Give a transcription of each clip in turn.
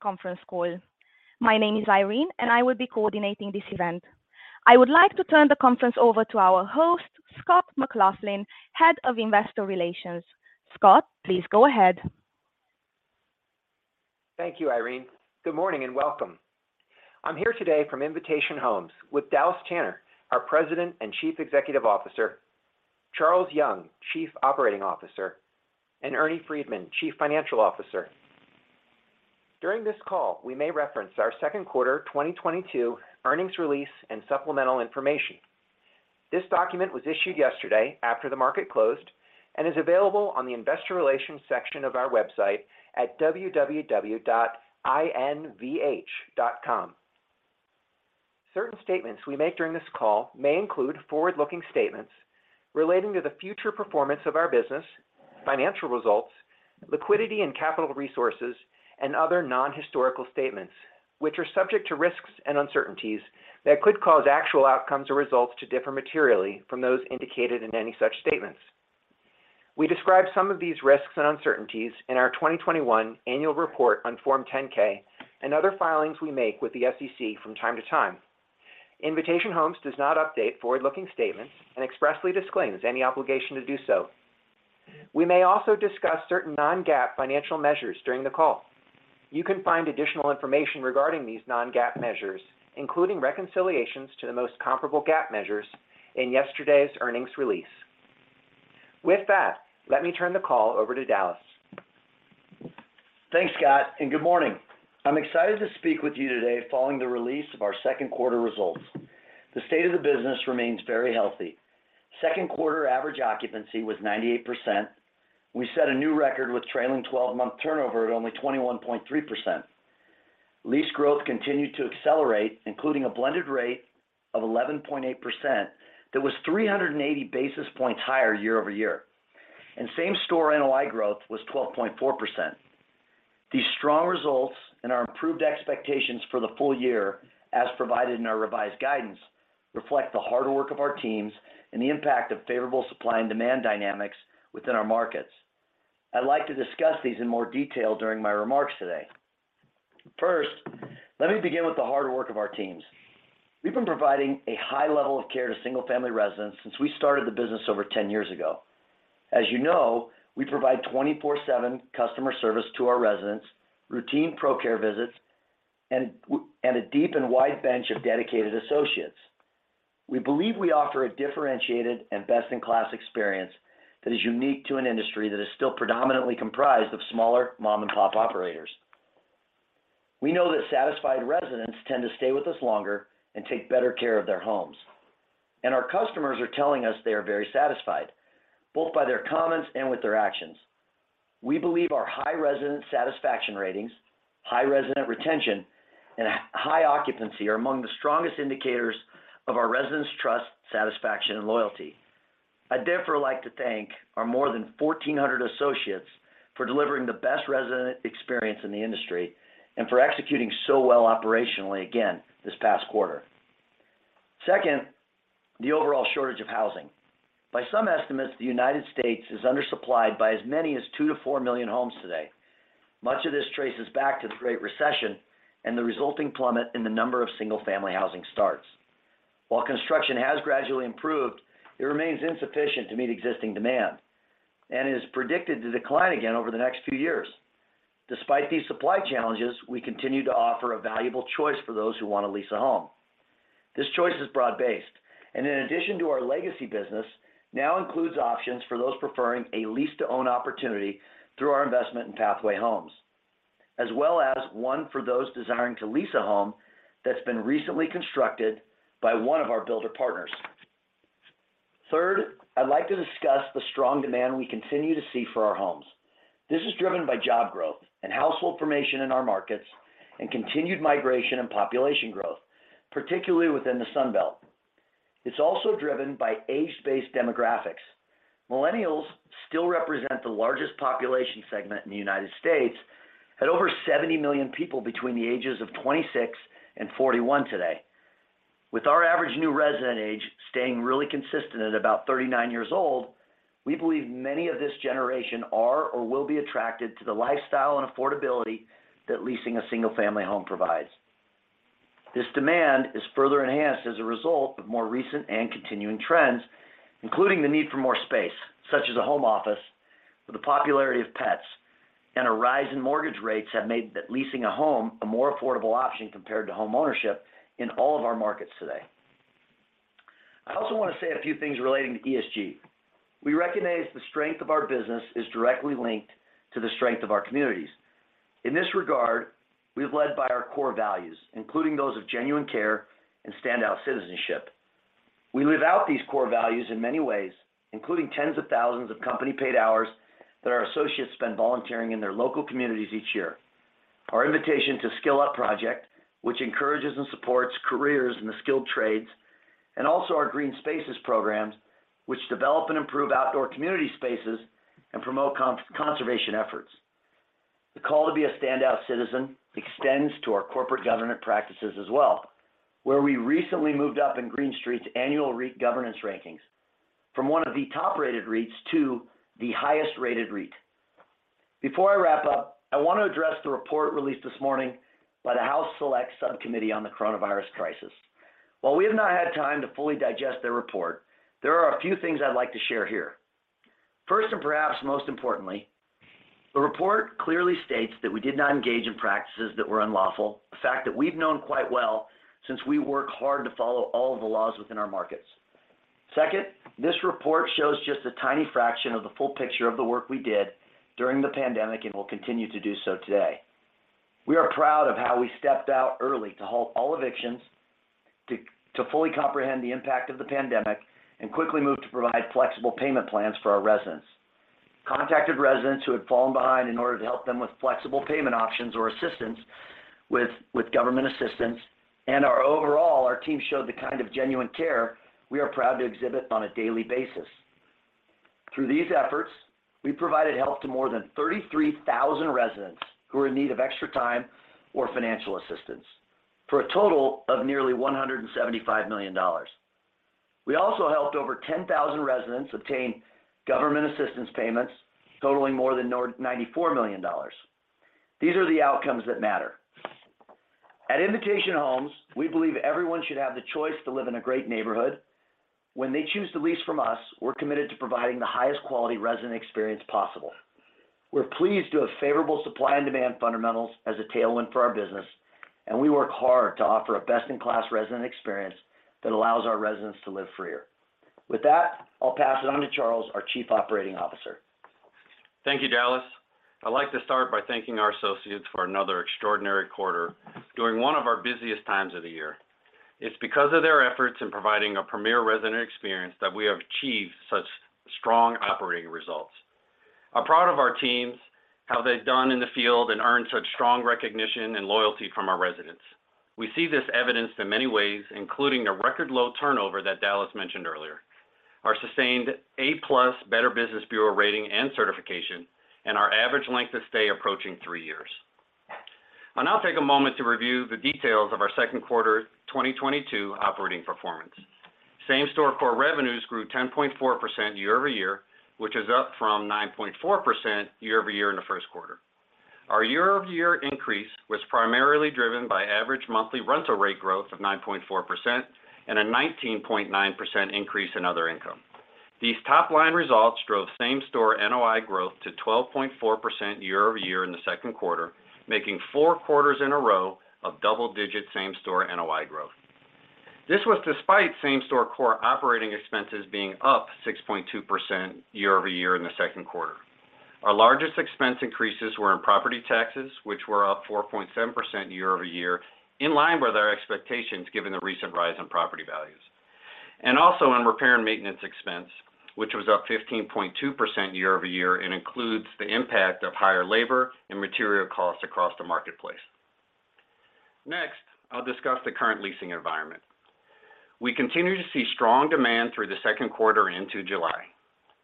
Conference call. My name is Irene, and I will be coordinating this event. I would like to turn the conference over to our host, Scott McLaughlin, Head of Investor Relations. Scott, please go ahead. Thank you, Irene. Good morning, and welcome. I'm here today from Invitation Homes with Dallas Tanner, our President and Chief Executive Officer, Charles Young, Chief Operating Officer, and Ernie Freedman, Chief Financial Officer. During this call, we may reference our second quarter 2022 earnings release and supplemental information. This document was issued yesterday after the market closed and is available on the investor relations section of our website at www.invh.com. Certain statements we make during this call may include forward-looking statements relating to the future performance of our business, financial results, liquidity and capital resources, and other non-historical statements, which are subject to risks and uncertainties that could cause actual outcomes or results to differ materially from those indicated in any such statements. We describe some of these risks and uncertainties in our 2021 annual report on Form 10-K and other filings we make with the SEC from time to time. Invitation Homes does not update forward-looking statements and expressly disclaims any obligation to do so. We may also discuss certain non-GAAP financial measures during the call. You can find additional information regarding these non-GAAP measures, including reconciliations to the most comparable GAAP measures in yesterday's earnings release. With that, let me turn the call over to Dallas. Thanks, Scott, and good morning. I'm excited to speak with you today following the release of our second quarter results. The state of the business remains very healthy. Second quarter average occupancy was 98%. We set a new record with trailing 12-month turnover at only 21.3%. Lease growth continued to accelerate, including a blended rate of 11.8% that was 380 basis points higher year-over-year. Same-store NOI growth was 12.4%. These strong results and our improved expectations for the full year, as provided in our revised guidance, reflect the hard work of our teams and the impact of favorable supply and demand dynamics within our markets. I'd like to discuss these in more detail during my remarks today. First, let me begin with the hard work of our teams. We've been providing a high level of care to single-family residents since we started the business over 10 years ago. As you know, we provide 24/7 customer service to our residents, routine ProCare visits, and a deep and wide bench of dedicated associates. We believe we offer a differentiated and best-in-class experience that is unique to an industry that is still predominantly comprised of smaller mom-and-pop operators. We know that satisfied residents tend to stay with us longer and take better care of their homes, and our customers are telling us they are very satisfied, both by their comments and with their actions. We believe our high resident satisfaction ratings, high resident retention, and high occupancy are among the strongest indicators of our residents' trust, satisfaction, and loyalty. I'd therefore like to thank our more than 1,400 associates for delivering the best resident experience in the industry and for executing so well operationally again this past quarter. Second, the overall shortage of housing. By some estimates, the United States is undersupplied by as many as 2 million-4 million homes today. Much of this traces back to the Great Recession and the resulting plummet in the number of single-family housing starts. While construction has gradually improved, it remains insufficient to meet existing demand and is predicted to decline again over the next few years. Despite these supply challenges, we continue to offer a valuable choice for those who want to lease a home. This choice is broad-based, and in addition to our legacy business, now includes options for those preferring a lease-to-own opportunity through our investment in Pathway Homes, as well as one for those desiring to lease a home that's been recently constructed by one of our builder partners. Third, I'd like to discuss the strong demand we continue to see for our homes. This is driven by job growth and household formation in our markets and continued migration and population growth, particularly within the Sun Belt. It's also driven by age-based demographics. Millennials still represent the largest population segment in the United States at over 70 million people between the ages of 26 and 41 today. With our average new resident age staying really consistent at about 39 years old, we believe many of this generation are or will be attracted to the lifestyle and affordability that leasing a single-family home provides. This demand is further enhanced as a result of more recent and continuing trends, including the need for more space, such as a home office, for the popularity of pets, and a rise in mortgage rates have made that leasing a home a more affordable option compared to homeownership in all of our markets today. I also want to say a few things relating to ESG. We recognize the strength of our business is directly linked to the strength of our communities. In this regard, we've led by our core values, including those of genuine care and standout citizenship. We live out these core values in many ways, including tens of thousands of company-paid hours that our associates spend volunteering in their local communities each year. Our Invitation to SkillUp project, which encourages and supports careers in the skilled trades, and also our Green Spaces programs, which develop and improve outdoor community spaces and promote conservation efforts. The call to be a standout citizen extends to our corporate governance practices as well, where we recently moved up in Green Street's annual REIT governance rankings. From one of the top-rated REITs to the highest rated REIT. Before I wrap up, I want to address the report released this morning by the House Select Subcommittee on the Coronavirus Crisis. While we have not had time to fully digest their report, there are a few things I'd like to share here. First, and perhaps most importantly, the report clearly states that we did not engage in practices that were unlawful, a fact that we've known quite well since we work hard to follow all of the laws within our markets. Second, this report shows just a tiny fraction of the full picture of the work we did during the pandemic and will continue to do so today. We are proud of how we stepped up early to halt all evictions to fully comprehend the impact of the pandemic and quickly moved to provide flexible payment plans for our residents, contacted residents who had fallen behind in order to help them with flexible payment options or assistance with government assistance. Our overall team showed the kind of genuine care we are proud to exhibit on a daily basis. Through these efforts, we provided help to more than 33,000 residents who were in need of extra time or financial assistance for a total of nearly $175 million. We also helped over 10,000 residents obtain government assistance payments totaling more than $94 million. These are the outcomes that matter. At Invitation Homes, we believe everyone should have the choice to live in a great neighborhood. When they choose to lease from us, we're committed to providing the highest quality resident experience possible. We're pleased to have favorable supply and demand fundamentals as a tailwind for our business, and we work hard to offer a best-in-class resident experience that allows our residents to live freer. With that, I'll pass it on to Charles, our Chief Operating Officer. Thank you, Dallas. I'd like to start by thanking our associates for another extraordinary quarter during one of our busiest times of the year. It's because of their efforts in providing a premier resident experience that we have achieved such strong operating results. I'm proud of our teams, how they've done in the field, and earned such strong recognition and loyalty from our residents. We see this evidenced in many ways, including the record low turnover that Dallas mentioned earlier, our sustained A+ Better Business Bureau rating and certification, and our average length of stay approaching three years. I'll now take a moment to review the details of our second quarter 2022 operating performance. Same-store core revenues grew 10.4% year-over-year, which is up from 9.4% year-over-year in the first quarter. Our year-over-year increase was primarily driven by average monthly rental rate growth of 9.4% and a 19.9% increase in other income. These top-line results drove same-store NOI growth to 12.4% year-over-year in the second quarter, making four quarters in a row of double-digit same-store NOI growth. This was despite same-store core operating expenses being up 6.2% year-over-year in the second quarter. Our largest expense increases were in property taxes, which were up 4.7% year-over-year, in line with our expectations given the recent rise in property values, and also in repair and maintenance expense, which was up 15.2% year-over-year and includes the impact of higher labor and material costs across the marketplace. Next, I'll discuss the current leasing environment. We continue to see strong demand through the second quarter into July.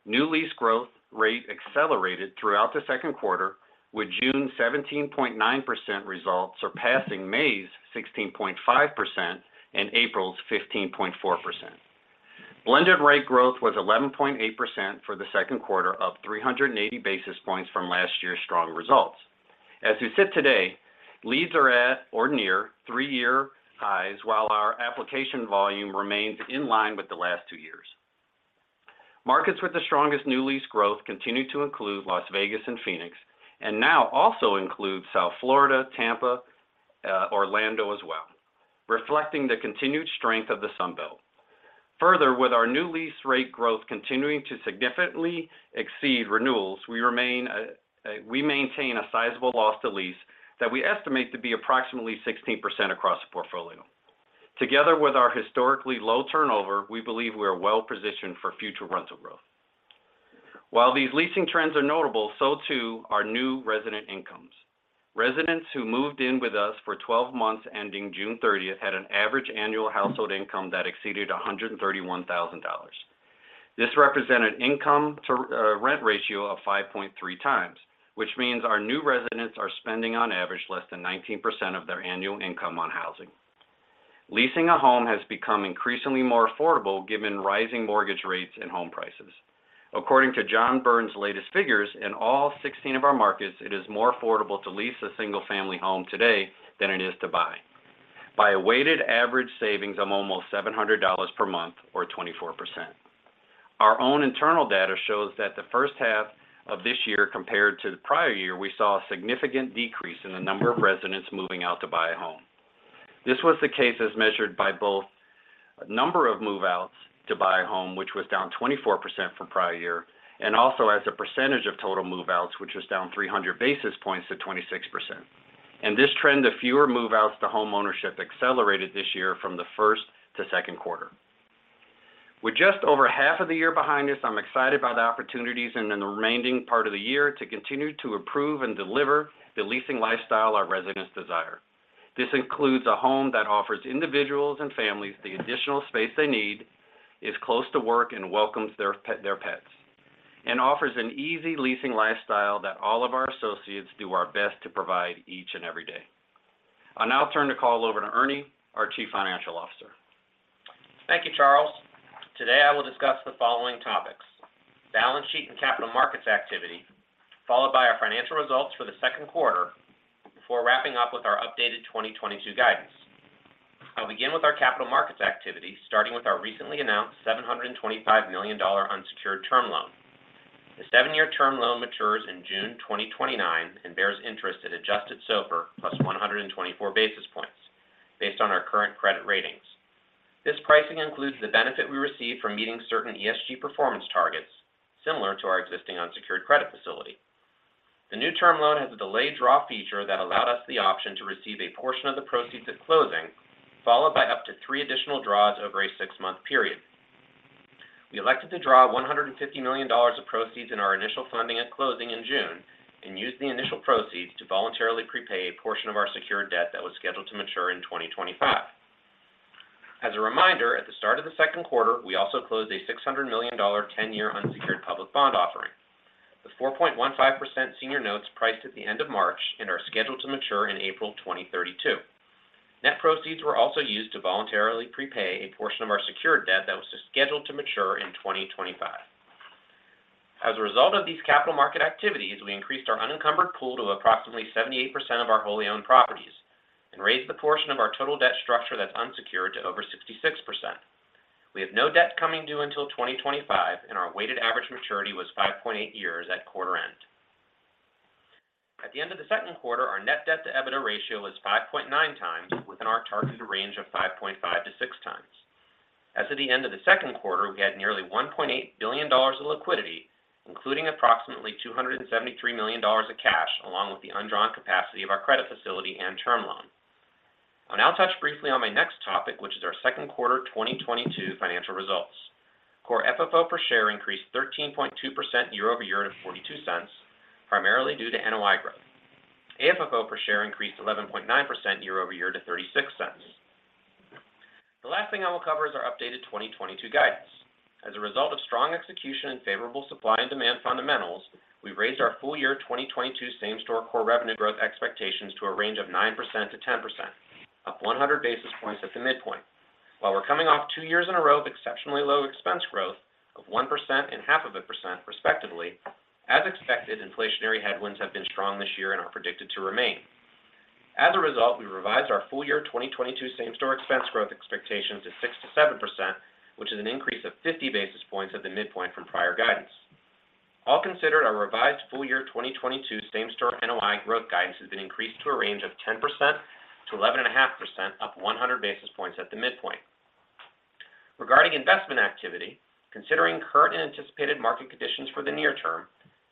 New lease growth rate accelerated throughout the second quarter, with June's 17.9% result surpassing May's 16.5% and April's 15.4%. Blended rate growth was 11.8% for the second quarter, up 380 basis points from last year's strong results. As we sit today, leads are at or near three-year highs, while our application volume remains in line with the last two years. Markets with the strongest new lease growth continue to include Las Vegas and Phoenix, and now also include South Florida, Tampa, Orlando as well, reflecting the continued strength of the Sun Belt. Further, with our new lease rate growth continuing to significantly exceed renewals, we maintain a sizable loss to lease that we estimate to be approximately 16% across the portfolio. Together with our historically low turnover, we believe we are well positioned for future rental growth. While these leasing trends are notable, so too are new resident incomes. Residents who moved in with us for 12 months ending June 30 had an average annual household income that exceeded $131,000. This represented income to rent ratio of 5.3x, which means our new residents are spending on average less than 19% of their annual income on housing. Leasing a home has become increasingly more affordable given rising mortgage rates and home prices. According to John Burns' latest figures, in all 16 of our markets, it is more affordable to lease a single-family home today than it is to buy by a weighted average savings of almost $700 per month or 24%. Our own internal data shows that the first half of this year compared to the prior year, we saw a significant decrease in the number of residents moving out to buy a home. This was the case as measured by both number of move-outs to buy a home, which was down 24% from prior year, and also as a percentage of total move-outs, which was down 300 basis points to 26%. This trend of fewer move-outs to homeownership accelerated this year from the first to second quarter. With just over half of the year behind us, I'm excited by the opportunities in the remaining part of the year to continue to improve and deliver the leasing lifestyle our residents desire. This includes a home that offers individuals and families the additional space they need, is close to work and welcomes their pets, and offers an easy leasing lifestyle that all of our associates do our best to provide each and every day. I'll now turn the call over to Ernie, our Chief Financial Officer. Thank you, Charles. Today, I will discuss the following topics. Balance sheet and capital markets activity, followed by our financial results for the second quarter, before wrapping up with our updated 2022 guidance. I'll begin with our capital markets activity, starting with our recently announced $725 million unsecured term loan. The seven-year term loan matures in June 2029 and bears interest at adjusted SOFR plus 124 basis points based on our current credit ratings. This pricing includes the benefit we receive from meeting certain ESG performance targets similar to our existing unsecured credit facility. The new term loan has a delayed draw feature that allowed us the option to receive a portion of the proceeds at closing, followed by up to three additional draws over a six-month period. We elected to draw $150 million of proceeds in our initial funding at closing in June and used the initial proceeds to voluntarily prepay a portion of our secured debt that was scheduled to mature in 2025. As a reminder, at the start of the second quarter, we also closed a $600 million ten-year unsecured public bond offering. The 4.15% senior notes priced at the end of March and are scheduled to mature in April 2032. Net proceeds were also used to voluntarily prepay a portion of our secured debt that was scheduled to mature in 2025. As a result of these capital market activities, we increased our unencumbered pool to approximately 78% of our wholly owned properties and raised the portion of our total debt structure that's unsecured to over 66%. We have no debt coming due until 2025, and our weighted average maturity was 5.8 years at quarter end. At the end of the second quarter, our net debt to EBITDA ratio was 5.9x within our targeted range of 5.5x-6x. As of the end of the second quarter, we had nearly $1.8 billion of liquidity, including approximately $273 million of cash, along with the undrawn capacity of our credit facility and term loan. I'll now touch briefly on my next topic, which is our second quarter 2022 financial results. Core FFO per share increased 13.2% year over year to $0.42, primarily due to NOI growth. AFFO per share increased 11.9% year over year to $0.36. The last thing I will cover is our updated 2022 guidance. As a result of strong execution and favorable supply and demand fundamentals, we've raised our full year 2022 same-store core revenue growth expectations to a range of 9%-10%, up 100 basis points at the midpoint. While we're coming off two years in a row of exceptionally low expense growth of 1% and half of a percent, respectively, as expected, inflationary headwinds have been strong this year and are predicted to remain. As a result, we revised our full year 2022 same-store expense growth expectations at 6%-7%, which is an increase of 50 basis points at the midpoint from prior guidance. All considered, our revised full year 2022 same-store NOI growth guidance has been increased to a range of 10%-11.5%, up 100 basis points at the midpoint. Regarding investment activity, considering current anticipated market conditions for the near term,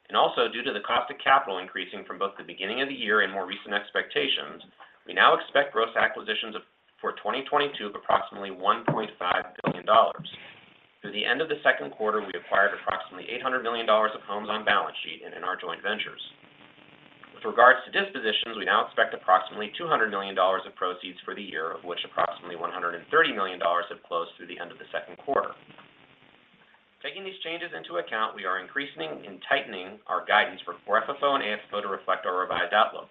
and also due to the cost of capital increasing from both the beginning of the year and more recent expectations, we now expect gross acquisitions for 2022 of approximately $1.5 billion. Through the end of the second quarter, we acquired approximately $800 million of homes on balance sheet and in our joint ventures. With regards to dispositions, we now expect approximately $200 million of proceeds for the year, of which approximately $130 million have closed through the end of the second quarter. Taking these changes into account, we are increasing and tightening our guidance for core FFO and AFFO to reflect our revised outlook.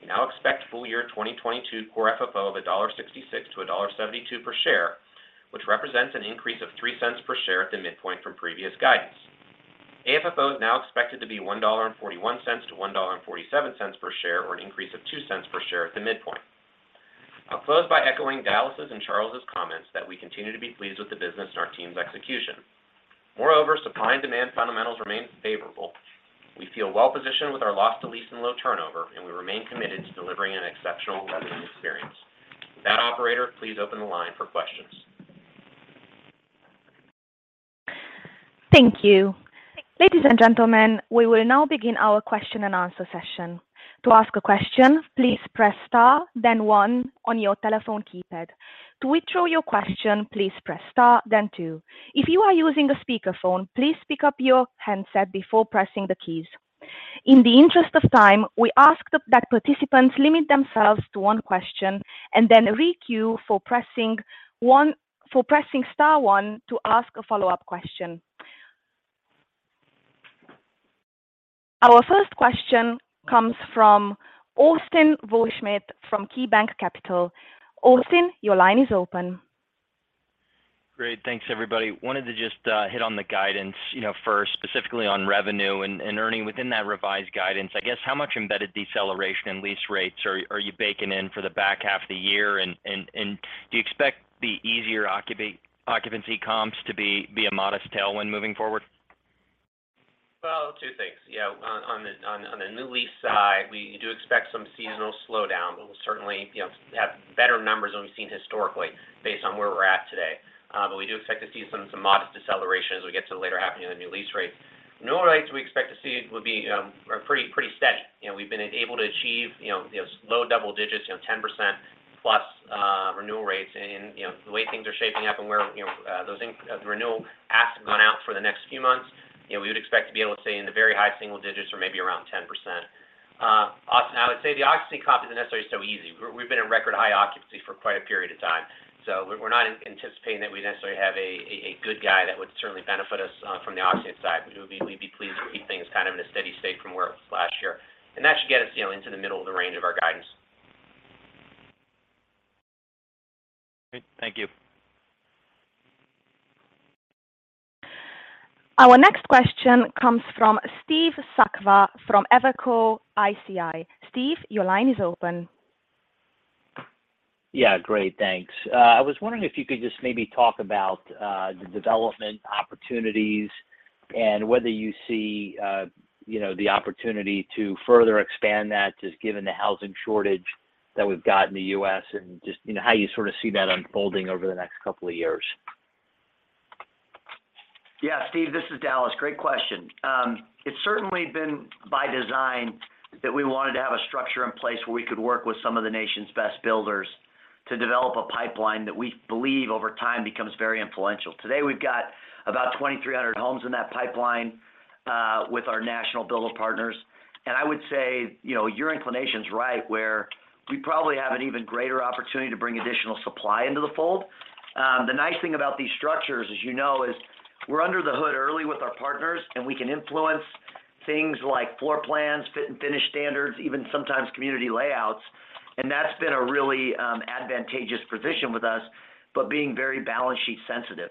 We now expect full year 2022 core FFO of $1.66-$1.72 per share, which represents an increase of $0.03 per share at the midpoint from previous guidance. AFFO is now expected to be $1.41-$1.47 per share, or an increase of $0.02 per share at the midpoint. I'll close by echoing Dallas' and Charles' comments that we continue to be pleased with the business and our team's execution. Moreover, supply and demand fundamentals remain favorable. We feel well-positioned with our loss to lease and low turnover, and we remain committed to delivering an exceptional resident experience. With that, operator, please open the line for questions. Thank you. Ladies and gentlemen, we will now begin our question and answer session. To ask a question, please press star, then one on your telephone keypad. To withdraw your question, please press star, then two. If you are using a speakerphone, please pick up your handset before pressing the keys. In the interest of time, we ask that participants limit themselves to one question and then re-queue for pressing star one to ask a follow-up question. Our first question comes from Austin Wurschmidt from KeyBanc Capital. Austin, your line is open. Great. Thanks, everybody. Wanted to just hit on the guidance, you know, first, specifically on revenue. Ernie, within that revised guidance, I guess how much embedded deceleration in lease rates are you baking in for the back half of the year? Do you expect the easier occupancy comps to be a modest tailwind moving forward? Well, two things. Yeah, on the new lease side, we do expect some seasonal slowdown. We'll certainly, you know, have better numbers than we've seen historically based on where we're at today. But we do expect to see some modest deceleration as we get to the latter half of the year in the new lease rates. Renewal rates we expect to see are pretty steady. You know, we've been able to achieve, you know, yes, low double digits, you know, 10%+ renewal rates. You know, the way things are shaping up and where, you know, the renewal asks have gone out for the next few months, you know, we would expect to be able to stay in the very high single digits or maybe around 10%. Austin, I would say the occupancy comp isn't necessarily so easy. We've been at record high occupancy for quite a period of time. We're not anticipating that we necessarily have a good comp that would certainly benefit us from the occupancy side. But we'd be pleased to keep things kind of in a steady state from where it was last year. That should get us, you know, into the middle of the range of our guidance. Great. Thank you. Our next question comes from Steve Sakwa from Evercore ISI. Steve, your line is open. Yeah. Great. Thanks. I was wondering if you could just maybe talk about the development opportunities and whether you see, you know, the opportunity to further expand that, just given the housing shortage that we've got in the U.S. and just, you know, how you sort of see that unfolding over the next couple of years. Yeah, Steve, this is Dallas. Great question. It's certainly been by design that we wanted to have a structure in place where we could work with some of the nation's best builders to develop a pipeline that we believe over time becomes very influential. Today, we've got about 2,300 homes in that pipeline, with our national builder partners. I would say, you know, your inclination is right, where we probably have an even greater opportunity to bring additional supply into the fold. The nice thing about these structures, as you know, is we're under the hood early with our partners, and we can influence things like floor plans, finish standards, even sometimes community layouts. That's been a really advantageous position with us, but being very balance sheet sensitive.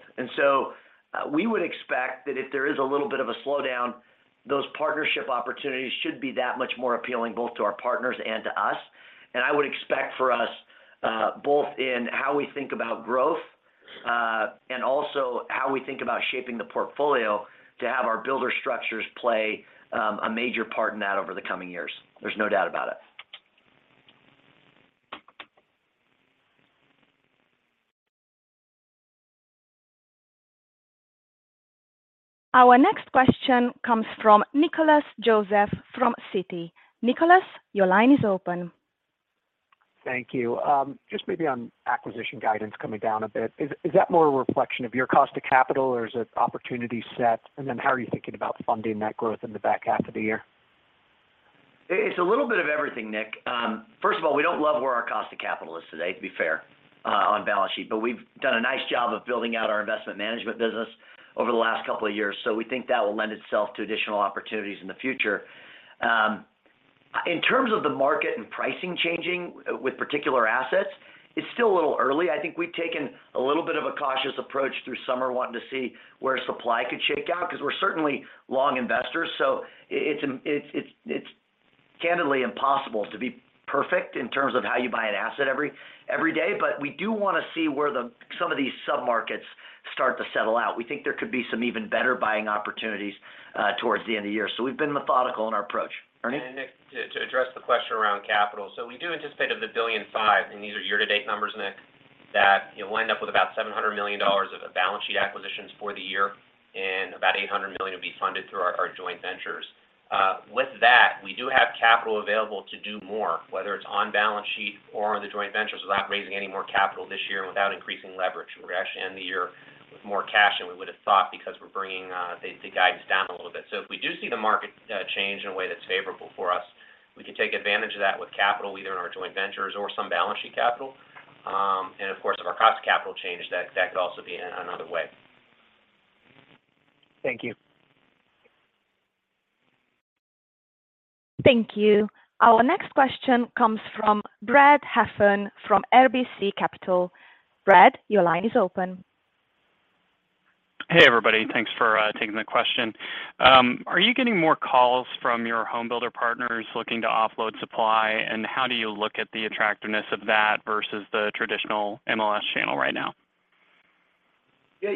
We would expect that if there is a little bit of a slowdown, those partnership opportunities should be that much more appealing both to our partners and to us. I would expect for us, both in how we think about growth, and also how we think about shaping the portfolio to have our builder structures play, a major part in that over the coming years. There's no doubt about it. Our next question comes from Nicolas Joseph from Citi. Nicolas, your line is open. Thank you. Just maybe on acquisition guidance coming down a bit. Is that more a reflection of your cost of capital, or is it opportunity set? Then how are you thinking about funding that growth in the back half of the year? It's a little bit of everything, Nick. First of all, we don't love where our cost of capital is today, to be fair, on balance sheet. We've done a nice job of building out our investment management business over the last couple of years. We think that will lend itself to additional opportunities in the future. In terms of the market and pricing changing with particular assets, it's still a little early. I think we've taken a little bit of a cautious approach through summer, wanting to see where supply could shake out because we're certainly long investors. It's candidly impossible to be perfect in terms of how you buy an asset every day. We do want to see where some of these sub-markets start to settle out. We think there could be some even better buying opportunities, toward the end of the year. We've been methodical in our approach. Ernie? Nick, to address the question around capital. We do anticipate of the $1.5 billion, and these are year-to-date numbers, Nick, that you'll end up with about $700 million of balance sheet acquisitions for the year, and about $800 million will be funded through our joint ventures. With that, we do have capital available to do more, whether it's on balance sheet or on the joint ventures, without raising any more capital this year and without increasing leverage. We're actually ending the year with more cash than we would have thought because we're bringing the guidance down a little bit. If we do see the market change in a way that's favorable for us, we can take advantage of that with capital, either in our joint ventures or some balance sheet capital. Of course, if our cost of capital change, that could also be another way. Thank you. Thank you. Our next question comes from Brad Heffern from RBC Capital. Brad, your line is open. Hey, everybody. Thanks for taking the question. Are you getting more calls from your home builder partners looking to offload supply? How do you look at the attractiveness of that versus the traditional MLS channel right now? Yeah,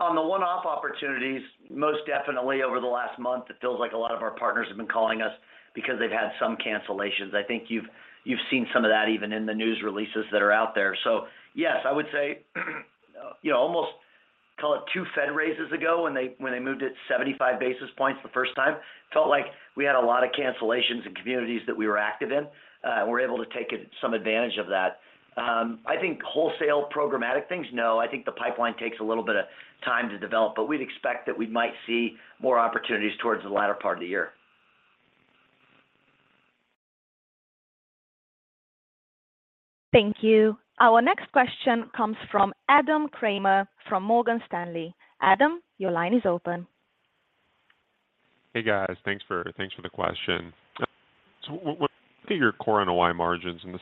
on the one-off opportunities, most definitely. Over the last month, it feels like a lot of our partners have been calling us because they've had some cancellations. I think you've seen some of that even in the news releases that are out there. Yes, I would say, you know, almost call it two Fed raises ago when they moved it 75 basis points the first time, it felt like we had a lot of cancellations in communities that we were active in, and we're able to take some advantage of that. I think wholesale programmatic things, no, I think the pipeline takes a little bit of time to develop, but we'd expect that we might see more opportunities towards the latter part of the year. Thank you. Our next question comes from Adam Kramer from Morgan Stanley. Adam, your line is open. Hey, guys. Thanks for the question. Looking at your core NOI margins and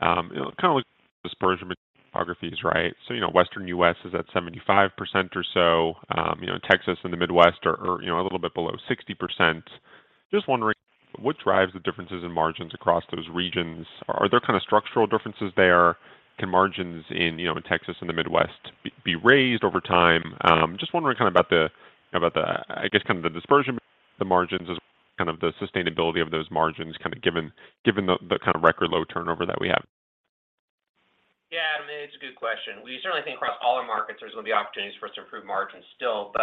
kind of look at the dispersion between geographies, right? You know, Western U.S. is at 75% or so. You know, Texas and the Midwest are you know a little bit below 60%. Just wondering what drives the differences in margins across those regions. Are there kind of structural differences there? Can margins in you know in Texas and the Midwest be raised over time? Just wondering kind of about the about the I guess kind of the dispersion between the margins as well as kind of the sustainability of those margins kind of given given the the kind of record low turnover that we have. Yeah, Adam, it's a good question. We certainly think across all our markets, there's going to be opportunities for us to improve margins still.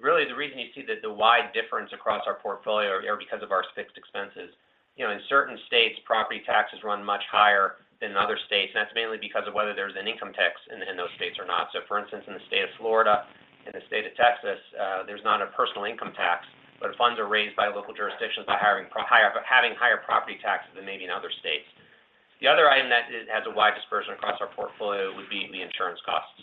Really, the reason you see the wide difference across our portfolio are because of our fixed expenses. You know, in certain states, property taxes run much higher than in other states, and that's mainly because of whether there's an income tax in those states or not. For instance, in the state of Texas, there's not a personal income tax, but funds are raised by local jurisdictions by having higher property taxes than maybe in other states. The other item that it has a wide dispersion across our portfolio would be the insurance costs.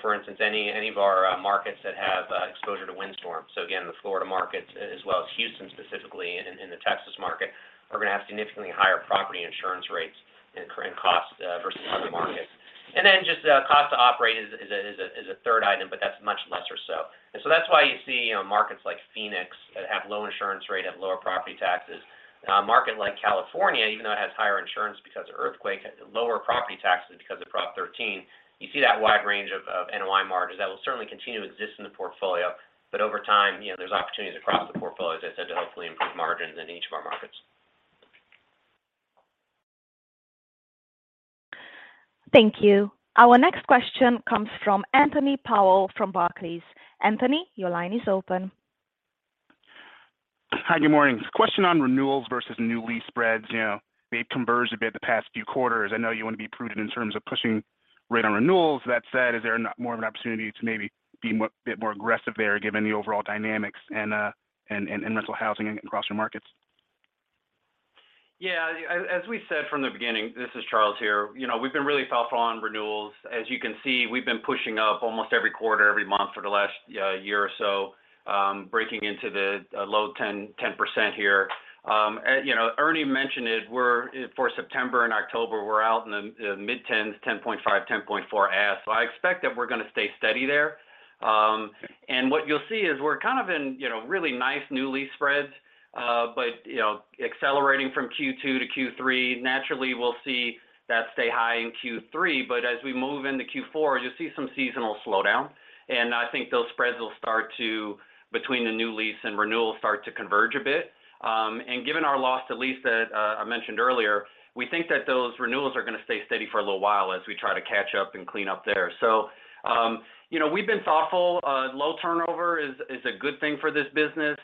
For instance, any of our markets that have exposure to windstorm. Again, the Florida markets as well as Houston specifically in the Texas market are gonna have significantly higher property insurance rates and current costs versus other markets. Then just the cost to operate is a third item, but that's much less so. That's why you see, you know, markets like Phoenix that have low insurance rate have lower property taxes. A market like California, even though it has higher insurance because of earthquake, has lower property taxes because of Proposition 13. You see that wide range of NOI margins that will certainly continue to exist in the portfolio. Over time, you know, there's opportunities across the portfolio, as I said, to hopefully improve margins in each of our markets. Thank you. Our next question comes from Anthony Powell from Barclays. Anthony, your line is open. Hi, good morning. Question on renewals versus new lease spreads. You know, they've converged a bit the past few quarters. I know you want to be prudent in terms of pushing rate on renewals. That said, is there not more of an opportunity to maybe be a bit more aggressive there given the overall dynamics and rental housing across your markets? Yeah. As we said from the beginning, this is Charles here, you know, we've been really thoughtful on renewals. As you can see, we've been pushing up almost every quarter, every month for the last year or so, breaking into the low 10% here. You know, Ernie mentioned it, we're for September and October, we're out in the mid-tens, 10.5%, 10.4%. I expect that we're gonna stay steady there. What you'll see is we're kind of in, you know, really nice new lease spreads, but, you know, accelerating from Q2 to Q3, naturally we'll see that stay high in Q3. As we move into Q4, you'll see some seasonal slowdown. I think those spreads will start to, between the new lease and renewal, start to converge a bit. Given our loss to lease that I mentioned earlier, we think that those renewals are gonna stay steady for a little while as we try to catch up and clean up there. You know, we've been thoughtful. Low turnover is a good thing for this business.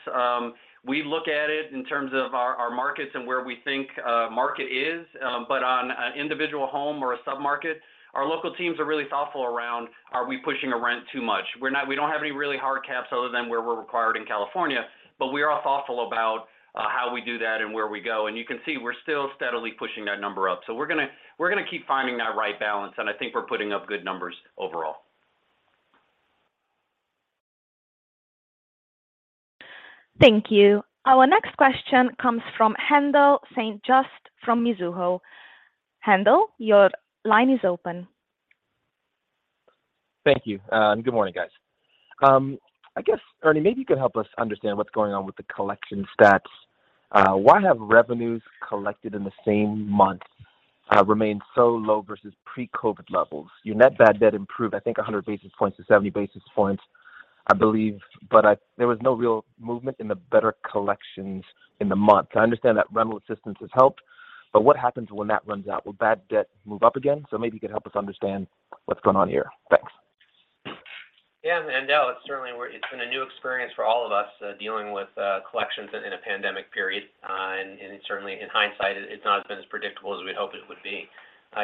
We look at it in terms of our markets and where we think market is. On an individual home or a submarket, our local teams are really thoughtful around are we pushing a rent too much? We don't have any really hard caps other than where we're required in California, but we are thoughtful about how we do that and where we go. You can see we're still steadily pushing that number up. We're gonna keep finding that right balance, and I think we're putting up good numbers overall. Thank you. Our next question comes from Haendel St. Juste from Mizuho. Haendel, your line is open. Thank you, and good morning, guys. I guess, Ernie, maybe you could help us understand what's going on with the collection stats. Why have revenues collected in the same month remained so low versus pre-COVID levels? Your net bad debt improved, I think 100 basis points to 70 basis points, I believe, but there was no real movement in the better collections in the month. I understand that rental assistance has helped, but what happens when that runs out? Will bad debt move up again? Maybe you could help us understand what's going on here. Thanks. Yeah, Haendel. It's certainly been a new experience for all of us, dealing with collections in a pandemic period. It certainly, in hindsight, it's not been as predictable as we'd hoped it would be.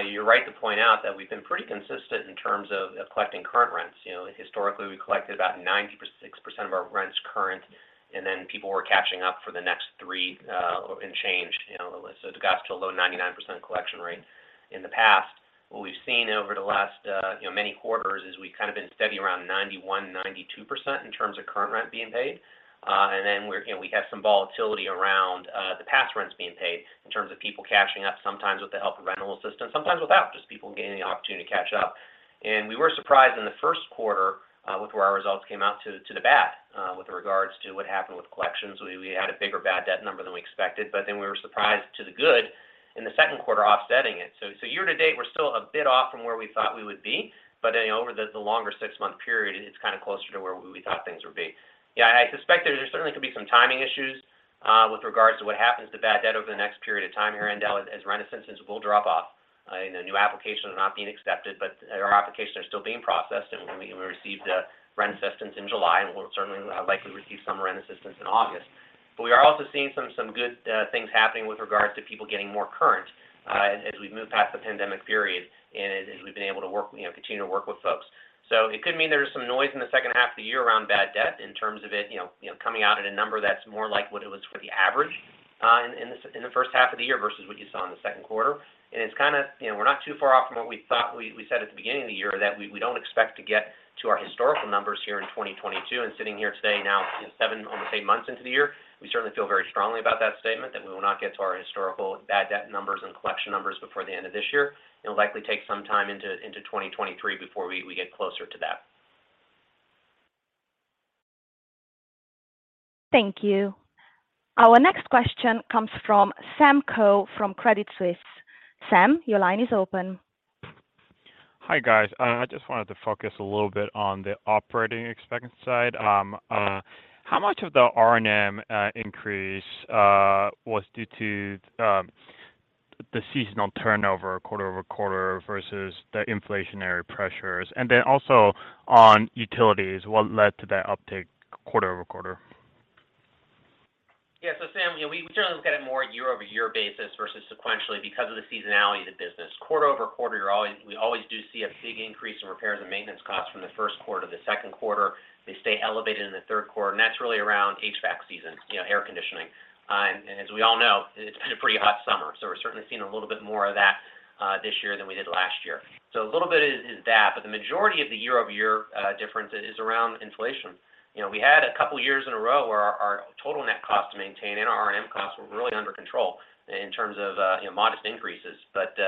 You're right to point out that we've been pretty consistent in terms of collecting current rents. You know, historically, we collected about 96% of our rents current, and then people were catching up for the next three and change, you know. It got to a low 99% collection rate in the past. What we've seen over the last, you know, many quarters is we've kind of been steady around 91%-92% in terms of current rent being paid. You know, we have some volatility around the past rents being paid in terms of people catching up sometimes with the help of rental assistance, sometimes without, just people getting the opportunity to catch up. We were surprised in the first quarter with where our results came out to the bad with regards to what happened with collections. We had a bigger bad debt number than we expected, but then we were surprised to the good in the second quarter offsetting it. Year to date, we're still a bit off from where we thought we would be. You know, over the longer six-month period, it's kind of closer to where we thought things would be. Yeah, I suspect there certainly could be some timing issues with regards to what happens to bad debt over the next period of time here, Haendel, as rent assistance will drop off. You know, new applications are not being accepted, but our applications are still being processed. We received rent assistance in July, and we'll certainly likely receive some rent assistance in August. We are also seeing some good things happening with regards to people getting more current as we move past the pandemic period and as we've been able to work, you know, continue to work with folks. It could mean there's some noise in the second half of the year around bad debt in terms of it, you know, coming out at a number that's more like what it was for the average in the first half of the year versus what you saw in the second quarter. It's kinda, you know, we're not too far off from what we thought we said at the beginning of the year that we don't expect to get to our historical numbers here in 2022. Sitting here today now seven, almost eight months into the year, we certainly feel very strongly about that statement that we will not get to our historical bad debt numbers and collection numbers before the end of this year. It'll likely take some time into 2023 before we get closer to that. Thank you. Our next question comes from Sam Cho from Credit Suisse. Sam, your line is open. Hi, guys. I just wanted to focus a little bit on the operating expense side. How much of the R&M increase was due to the seasonal turnover quarter-over-quarter versus the inflationary pressures? Also on utilities, what led to that uptick quarter-over-quarter? Yeah. Sam, you know, we generally look at it more year-over-year basis versus sequentially because of the seasonality of the business. Quarter-over-quarter, we always do see a big increase in repairs and maintenance costs from the first quarter to the second quarter. They stay elevated in the third quarter, and that's really around HVAC season, you know, air conditioning. And as we all know, it's been a pretty hot summer, so we're certainly seeing a little bit more of that this year than we did last year. A little bit is that, but the majority of the year-over-year difference is around inflation. You know, we had a couple of years in a row where our total net cost to maintain and our R&M costs were really under control in terms of, you know, modest increases.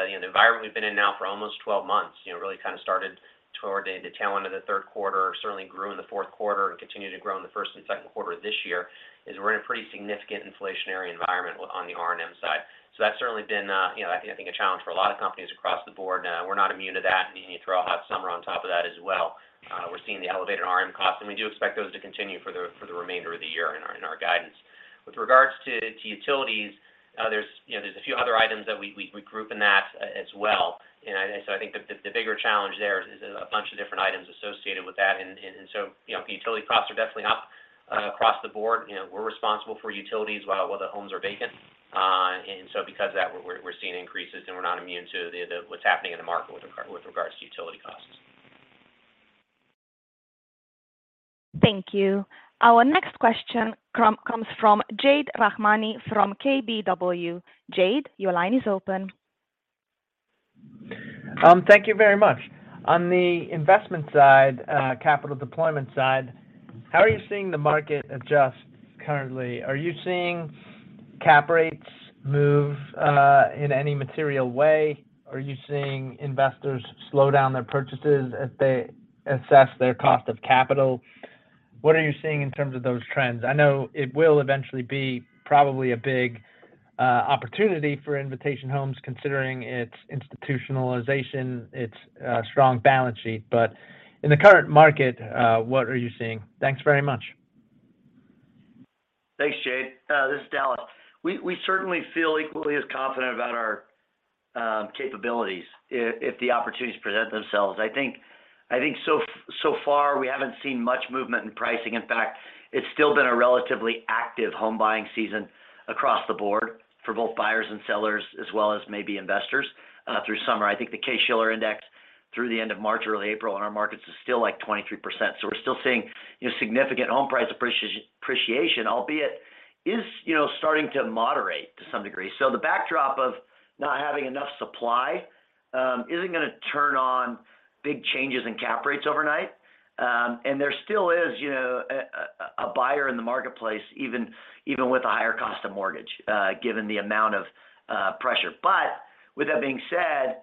You know, the environment we've been in now for almost 12 months, you know, really kind of started toward the tail end of the third quarter, certainly grew in the fourth quarter and continued to grow in the first and second quarter this year, is we're in a pretty significant inflationary environment on the R&M side. So that's certainly been, you know, I think a challenge for a lot of companies across the board. We're not immune to that, and you throw a hot summer on top of that as well. We're seeing the elevated R&M costs, and we do expect those to continue for the remainder of the year in our guidance. With regards to utilities, there's, you know, a few other items that we group in that as well. I think the bigger challenge there is a bunch of different items associated with that. You know, utility costs are definitely up across the board. You know, we're responsible for utilities while the homes are vacant. Because of that, we're seeing increases, and we're not immune to what's happening in the market with regard to utility costs. Thank you. Our next question comes from Jade Rahmani from KBW. Jade, your line is open. Thank you very much. On the investment side, capital deployment side, how are you seeing the market adjust currently? Are you seeing cap rates move, in any material way? Are you seeing investors slow down their purchases as they assess their cost of capital? What are you seeing in terms of those trends? I know it will eventually be probably a big opportunity for Invitation Homes, considering its institutionalization, its strong balance sheet. In the current market, what are you seeing? Thanks very much. Thanks, Jade. This is Dallas. We certainly feel equally as confident about our capabilities if the opportunities present themselves. I think so far, we haven't seen much movement in pricing. In fact, it's still been a relatively active home buying season across the board for both buyers and sellers, as well as maybe investors through summer. I think the Case-Shiller index through the end of March, early April in our markets is still like 23%. We're still seeing, you know, significant home price appreciation, albeit it is, you know, starting to moderate to some degree. The backdrop of not having enough supply isn't gonna turn on big changes in cap rates overnight. There still is, you know, a buyer in the marketplace, even with a higher cost of mortgage, given the amount of pressure. With that being said,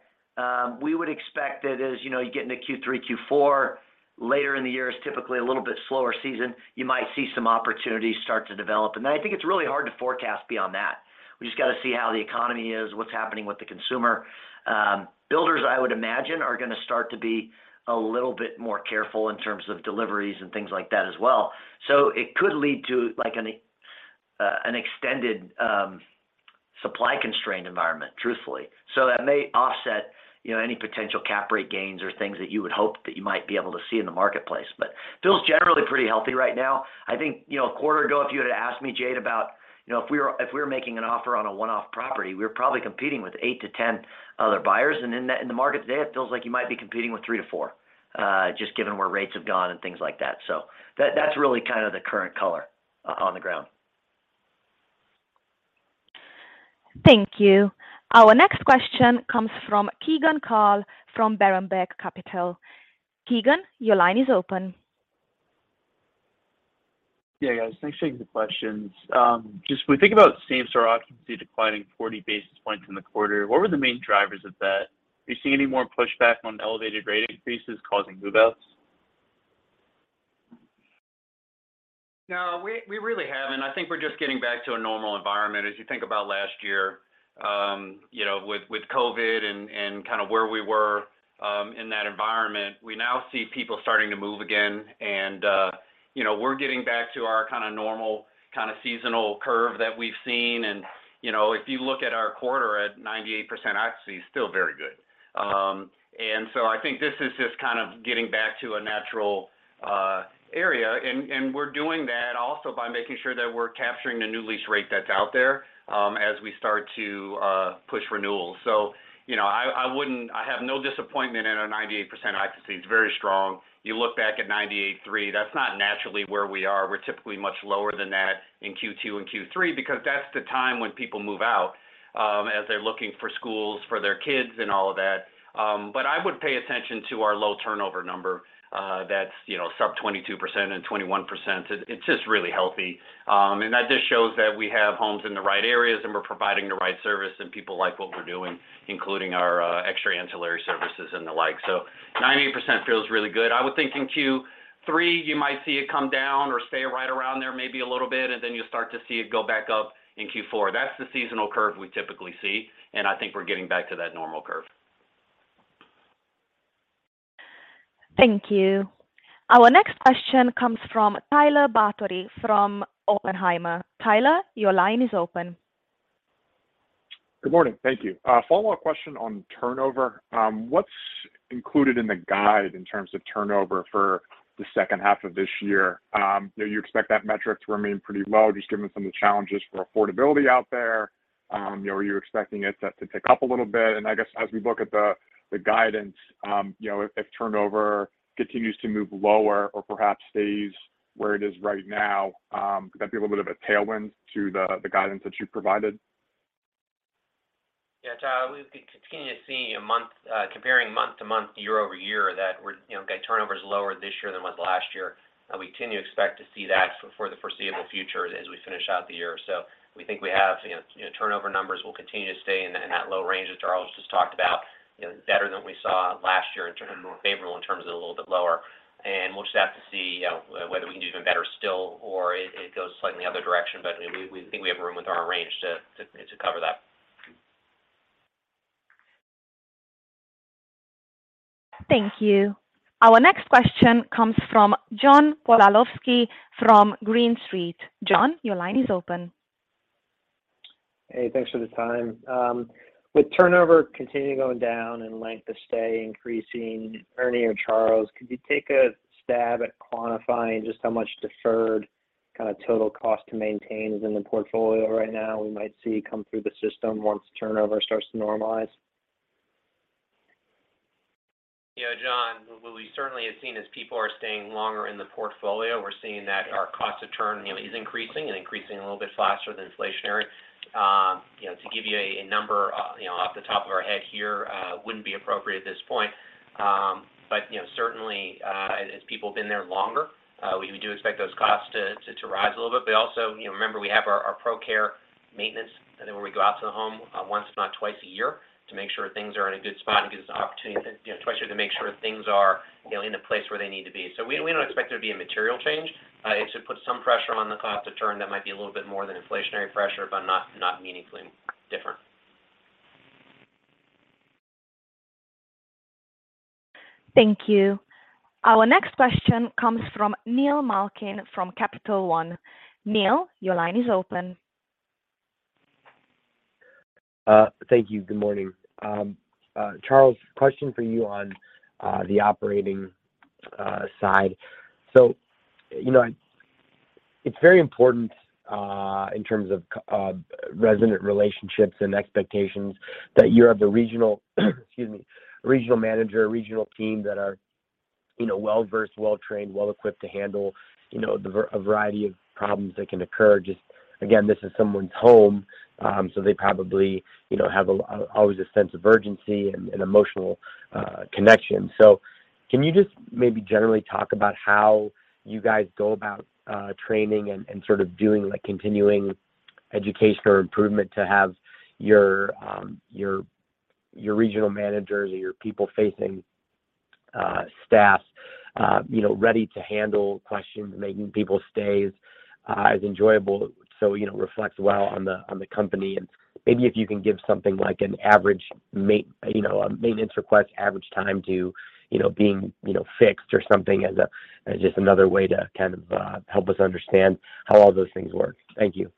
we would expect that as, you know, you get into Q3, Q4, later in the year is typically a little bit slower season, you might see some opportunities start to develop. I think it's really hard to forecast beyond that. We just got to see how the economy is, what's happening with the consumer. Builders, I would imagine, are gonna start to be a little bit more careful in terms of deliveries and things like that as well. It could lead to like an extended supply constraint environment, truthfully. That may offset, you know, any potential cap rate gains or things that you would hope that you might be able to see in the marketplace. It feels generally pretty healthy right now. I think, you know, a quarter ago, if you were to ask me, Jade, about, you know, if we were making an offer on a one-off property, we were probably competing with eight to 10 other buyers. In the market today, it feels like you might be competing with three to four, just given where rates have gone and things like that. That, that's really kind of the current color on the ground. Thank you. Our next question comes from Keegan Carl from Berenberg Capital. Keegan, your line is open. Yeah, guys. Thanks for taking the questions. Just when we think about same-store occupancy declining 40 basis points in the quarter, what were the main drivers of that? Are you seeing any more pushback on elevated rate increases causing move-outs? No, we really haven't. I think we're just getting back to a normal environment. As you think about last year, you know, with COVID and kind of where we were in that environment, we now see people starting to move again. You know, we're getting back to our kind of normal kind of seasonal curve that we've seen. You know, if you look at our quarter at 98% occupancy, it's still very good. I think this is just kind of getting back to a natural area. We're doing that also by making sure that we're capturing the new lease rate that's out there as we start to push renewals. You know, I wouldn't. I have no disappointment in our 98% occupancy. It's very strong. You look back at 98.3, that's not naturally where we are. We're typically much lower than that in Q2 and Q3 because that's the time when people move out, as they're looking for schools for their kids and all of that. I would pay attention to our low turnover number. That's, you know, sub 22% and 21%. It's just really healthy. That just shows that we have homes in the right areas, and we're providing the right service, and people like what we're doing, including our extra ancillary services and the like. Ninety-eight percent feels really good. I would think in Q3, you might see it come down or stay right around there maybe a little bit, and then you'll start to see it go back up in Q4. That's the seasonal curve we typically see, and I think we're getting back to that normal curve. Thank you. Our next question comes from Tyler Batory from Oppenheimer. Tyler, your line is open. Good morning. Thank you. Follow-up question on turnover. What's included in the guide in terms of turnover for the second half of this year? Do you expect that metric to remain pretty low just given some of the challenges for affordability out there? You know, are you expecting it to tick up a little bit? I guess as we look at the guidance, you know, if turnover continues to move lower or perhaps stays where it is right now, could that be a little bit of a tailwind to the guidance that you've provided? Yeah, Tyler Batory, we've been continuing to see, comparing month-over-month, year-over-year that we're, you know, turnover is lower this year than it was last year. We continue to expect to see that for the foreseeable future as we finish out the year. We think we have, you know, turnover numbers will continue to stay in that low range as Charles Young just talked about, you know, better than we saw last year in terms of more favorable, in terms of a little bit lower. We'll just have to see whether we can do even better still or it goes slightly other direction. We think we have room with our range to cover that. Thank you. Our next question comes from John Pawlowski from Green Street. John, your line is open. Hey, thanks for the time. With turnover continuing to go down and length of stay increasing, Ernie or Charles, could you take a stab at quantifying just how much deferred kind of total cost to maintain is in the portfolio right now we might see come through the system once turnover starts to normalize? Yeah, John, what we certainly have seen is people are staying longer in the portfolio. We're seeing that our cost to turn, you know, is increasing and increasing a little bit faster than inflation. To give you a number off the top of our head here wouldn't be appropriate at this point. You know, certainly, as people have been there longer, we do expect those costs to rise a little bit. Also, you know, remember, we have our ProCare maintenance and then when we go out to the home, once, if not twice a year to make sure things are in a good spot and give us an opportunity to, you know, twice a year to make sure things are, you know, in a place where they need to be. We don't expect there to be a material change. It should put some pressure on the cost to turn that might be a little bit more than inflationary pressure, but not meaningfully different. Thank you. Our next question comes from Neil Malkin from Capital One. Neil, your line is open. Thank you. Good morning. Charles, question for you on the operating side. You know, it's very important in terms of resident relationships and expectations that you have the regional, excuse me, regional manager, regional team that are, you know, well-versed, well trained, well equipped to handle, you know, a variety of problems that can occur. Just, again, this is someone's home, so they probably, you know, have always a sense of urgency and emotional connection. Can you just maybe generally talk about how you guys go about training and sort of doing like continuing education or improvement to have your regional managers or your people-facing staff you know ready to handle questions making people's stays as enjoyable so you know reflects well on the on the company? Maybe if you can give something like an average you know a maintenance request average time to you know being you know fixed or something as just another way to kind of help us understand how all those things work. Thank you.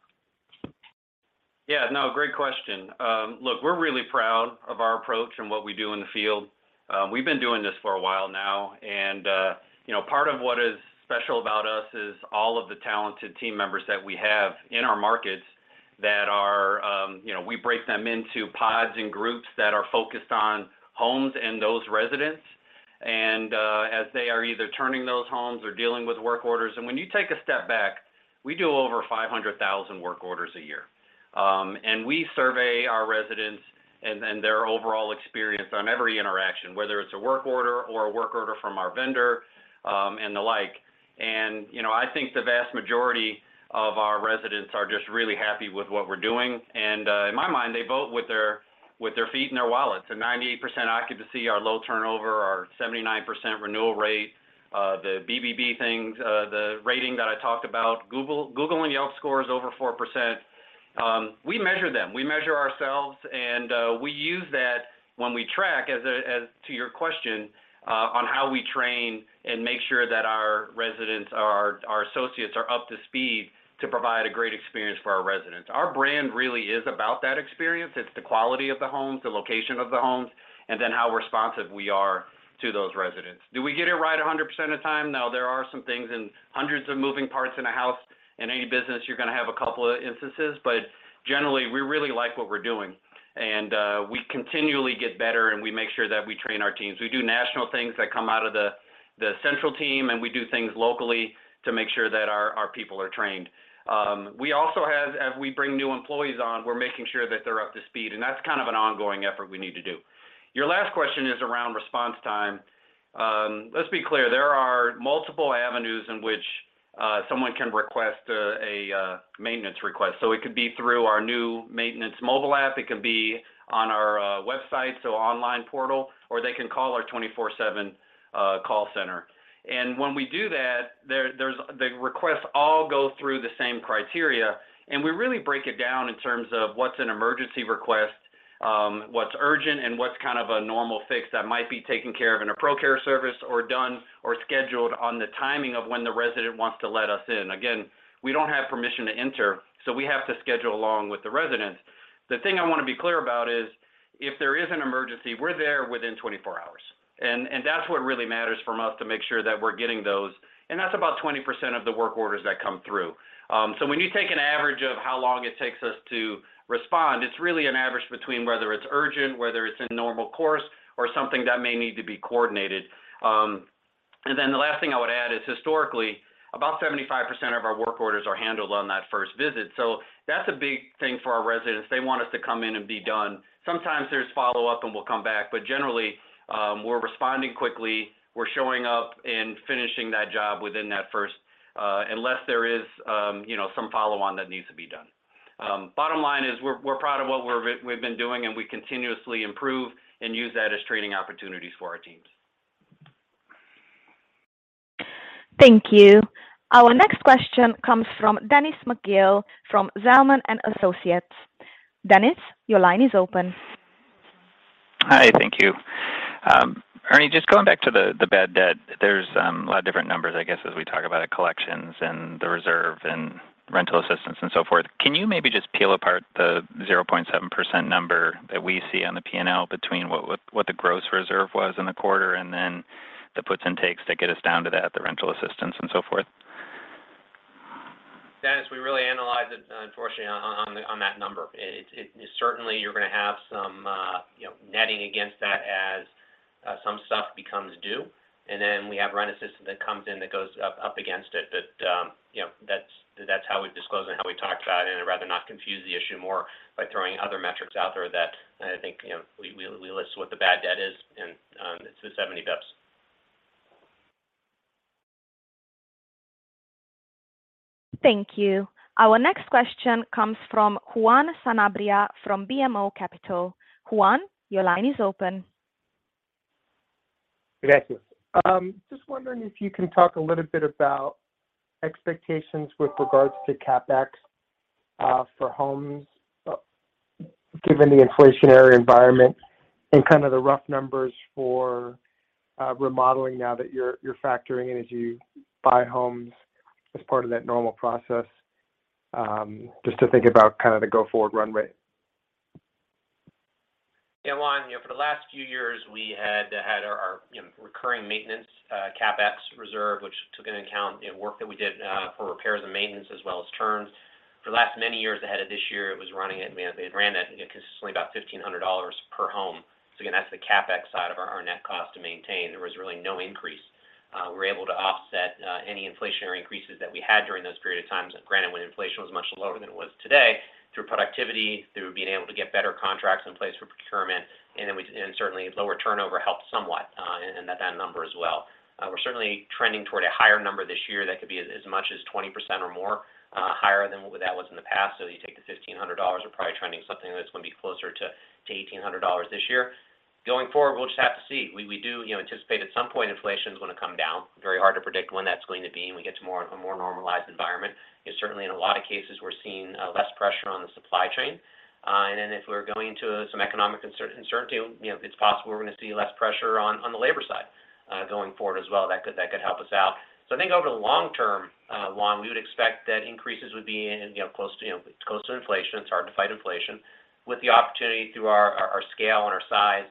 Yeah, no, great question. Look, we're really proud of our approach and what we do in the field. We've been doing this for a while now, and you know, part of what is special about us is all of the talented team members that we have in our markets that are, you know, we break them into pods and groups that are focused on homes and those residents and as they are either turning those homes or dealing with work orders. When you take a step back, we do over 500,000 work orders a year. We survey our residents and their overall experience on every interaction, whether it's a work order or a work order from our vendor and the like. You know, I think the vast majority of our residents are just really happy with what we're doing. In my mind, they vote with their feet and their wallets. 98% occupancy, our low turnover, our 79% renewal rate, the BBB things, the rating that I talked about, Google and Yelp scores over 4%. We measure them. We measure ourselves, and we use that when we track as to your question on how we train and make sure that our residents or our associates are up to speed to provide a great experience for our residents. Our brand really is about that experience. It's the quality of the homes, the location of the homes, and then how responsive we are to those residents. Do we get it right 100% of the time? No, there are some things and hundreds of moving parts in a house. In any business, you're gonna have a couple of instances, but generally, we really like what we're doing. We continually get better, and we make sure that we train our teams. We do national things that come out of the central team, and we do things locally to make sure that our people are trained. We also have, as we bring new employees on, we're making sure that they're up to speed, and that's kind of an ongoing effort we need to do. Your last question is around response time. Let's be clear. There are multiple avenues in which someone can request a maintenance request. It could be through our new maintenance mobile app. It could be on our website, so online portal, or they can call our 24/7 call center. When we do that, the requests all go through the same criteria. We really break it down in terms of what's an emergency request. What's urgent and what's kind of a normal fix that might be taken care of in a ProCare service or done or scheduled on the timing of when the resident wants to let us in? Again, we don't have permission to enter, so we have to schedule along with the residents. The thing I wanna be clear about is if there is an emergency, we're there within 24 hours. That's what really matters from us to make sure that we're getting those. That's about 20% of the work orders that come through. When you take an average of how long it takes us to respond, it's really an average between whether it's urgent, whether it's a normal course, or something that may need to be coordinated. The last thing I would add is historically, about 75% of our work orders are handled on that first visit. That's a big thing for our residents. They want us to come in and be done. Sometimes there's follow-up, and we'll come back. Generally, we're responding quickly, we're showing up and finishing that job within that first, unless there is, you know, some follow-on that needs to be done. Bottom line is we're proud of what we've been doing, and we continuously improve and use that as training opportunities for our teams. Thank you. Our next question comes from Dennis McGill from Zelman & Associates. Dennis, your line is open. Hi. Thank you. Ernie, just going back to the bad debt, there's a lot of different numbers, I guess, as we talk about it, collections and the reserve and rental assistance and so forth. Can you maybe just break down the 0.7% number that we see on the P&L between what the gross reserve was in the quarter and then the puts and takes that get us down to that, the rental assistance and so forth? Dennis, we really analyze it, unfortunately, on that number. It. Certainly, you're gonna have some, you know, netting against that as, some stuff becomes due, and then we have rent assistance that comes in that goes up against it. You know, that's how we disclose it and how we talk about it, and I'd rather not confuse the issue more by throwing other metrics out there that I think, you know, we list what the bad debt is, and, it's the 70 plus. Thank you. Our next question comes from Juan Sanabria from BMO Capital Markets. Juan, your line is open. Gracias. Just wondering if you can talk a little bit about expectations with regards to CapEx for homes, given the inflationary environment and kind of the rough numbers for remodeling now that you're factoring in as you buy homes as part of that normal process, just to think about kind of the go-forward runway. Yeah, Juan. You know, for the last few years, we had our, you know, recurring maintenance, CapEx reserve, which took into account, you know, work that we did for repairs and maintenance as well as turns. For the last many years ahead of this year, it was running at, man, they had ran that consistently about $1,500 per home. So again, that's the CapEx side of our net cost to maintain. There was really no increase. We were able to offset any inflationary increases that we had during those period of times, granted, when inflation was much lower than it was today, through productivity, through being able to get better contracts in place for procurement, and certainly lower turnover helped somewhat, in that number as well. We're certainly trending toward a higher number this year that could be as much as 20% or more higher than what that was in the past. You take the $1,500, we're probably trending something that's gonna be closer to $1,800 this year. Going forward, we'll just have to see. We do, you know, anticipate at some point inflation is gonna come down. Very hard to predict when that's going to be, and we get to a more normalized environment. You know, certainly in a lot of cases, we're seeing less pressure on the supply chain. If we're going to some economic uncertainty, you know, it's possible we're gonna see less pressure on the labor side going forward as well. That could help us out. I think over the long term, Juan, we would expect that increases would be in, you know, close to, you know, close to inflation. It's hard to fight inflation. With the opportunity through our scale and our size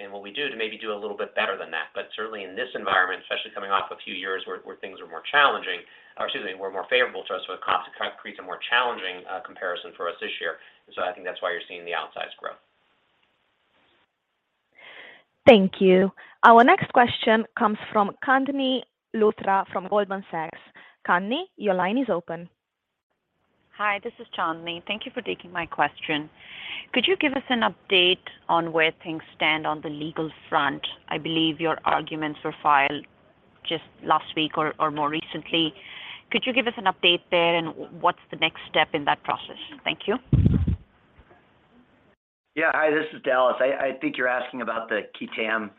and what we do to maybe do a little bit better than that. Certainly in this environment, especially coming off a few years where things are more challenging, or excuse me, were more favorable to us, so it creates a more challenging comparison for us this year. I think that's why you're seeing the outsized growth. Thank you. Our next question comes from Chandni Luthra from Goldman Sachs. Chandni, your line is open. Hi, this is Chandni. Thank you for taking my question. Could you give us an update on where things stand on the legal front? I believe your arguments were filed just last week or more recently. Could you give us an update there, and what's the next step in that process? Thank you. Yeah. Hi, this is Dallas. I think you're asking about the qui tam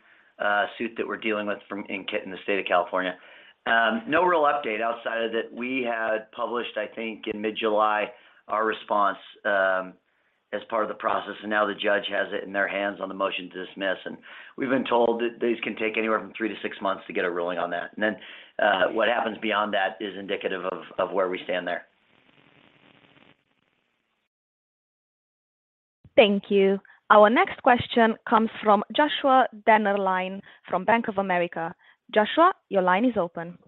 suit that we're dealing with from in the state of California. No real update outside of that we had published, I think, in mid-July, our response, as part of the process, and now the judge has it in their hands on the motion to dismiss. We've been told that these can take anywhere from three to six months to get a ruling on that. Then, what happens beyond that is indicative of where we stand there. Thank you. Our next question comes from Joshua Dennerlein from Bank of America. Joshua, your line is open.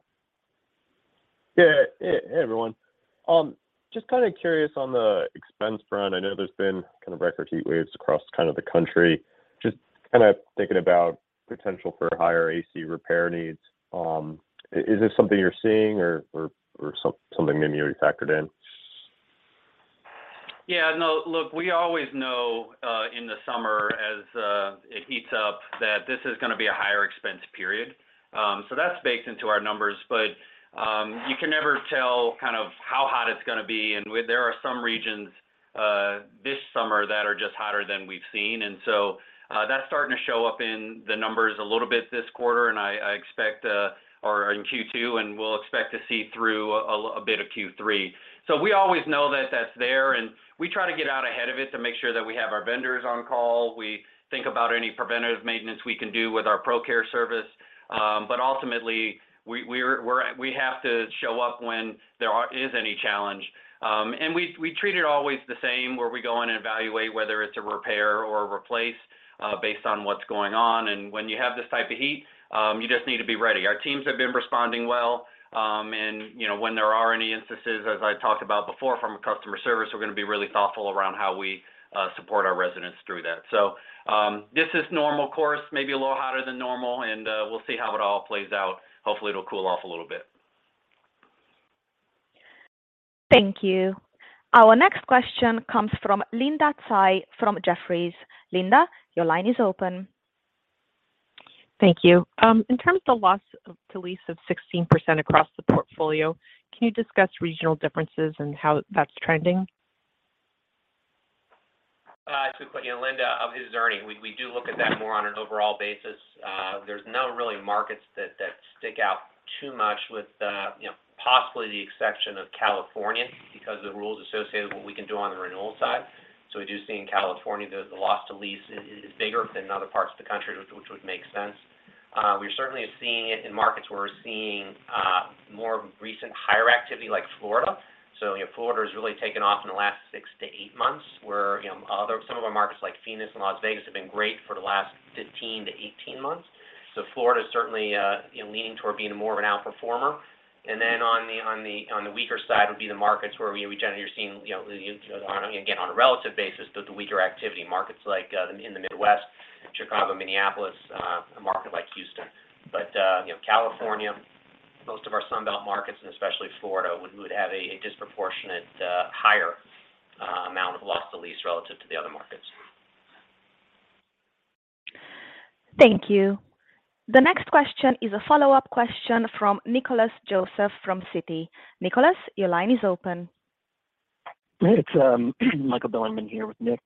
Yeah. Hey, everyone. Just kind of curious on the expense front. I know there's been kind of record heat waves across kind of the country. Just kind of thinking about potential for higher AC repair needs. Is this something you're seeing or something maybe you already factored in? Yeah. No. Look, we always know in the summer as it heats up that this is gonna be a higher expense period. That's baked into our numbers. You can never tell kind of how hot it's gonna be. There are some regions this summer that are just hotter than we've seen. That's starting to show up in the numbers a little bit in Q2, and we'll expect to see through a bit of Q3. We always know that that's there, and we try to get out ahead of it to make sure that we have our vendors on call. We think about any preventative maintenance we can do with our ProCare service. Ultimately, we have to show up when there is any challenge. We treat it always the same, where we go in and evaluate whether it's a repair or replace, based on what's going on. When you have this type of heat, you just need to be ready. Our teams have been responding well. You know, when there are any instances, as I talked about before from a customer service, we're gonna be really thoughtful around how we support our residents through that. This is normal course, maybe a little hotter than normal, and we'll see how it all plays out. Hopefully, it'll cool off a little bit. Thank you. Our next question comes from Linda Tsai from Jefferies. Linda, your line is open. Thank you. In terms of the loss to lease of 16% across the portfolio, can you discuss regional differences and how that's trending? It's a good point. Yeah, Linda, this is Ernie. We do look at that more on an overall basis. There's really no markets that stick out too much with, you know, possibly the exception of California because of the rules associated with what we can do on the renewal side. We do see in California the loss to lease is bigger than in other parts of the country, which would make sense. We're certainly seeing it in markets where we're seeing more recent higher activity like Florida. You know, Florida has really taken off in the last six to eigh months, where some of our markets like Phoenix and Las Vegas have been great for the last 15-18 months. Florida is certainly, you know, leaning toward being more of an outperformer. On the weaker side would be the markets where we generally are seeing, you know, again, on a relative basis, but the weaker activity markets like in the Midwest, Chicago, Minneapolis, a market like Houston. You know, California, most of our Sun Belt markets, and especially Florida, would have a disproportionate higher amount of loss to lease relative to the other markets. Thank you. The next question is a follow-up question from Nicolas Joseph from Citi. Nicolas, your line is open. It's Michael Goldsmith here with Nick.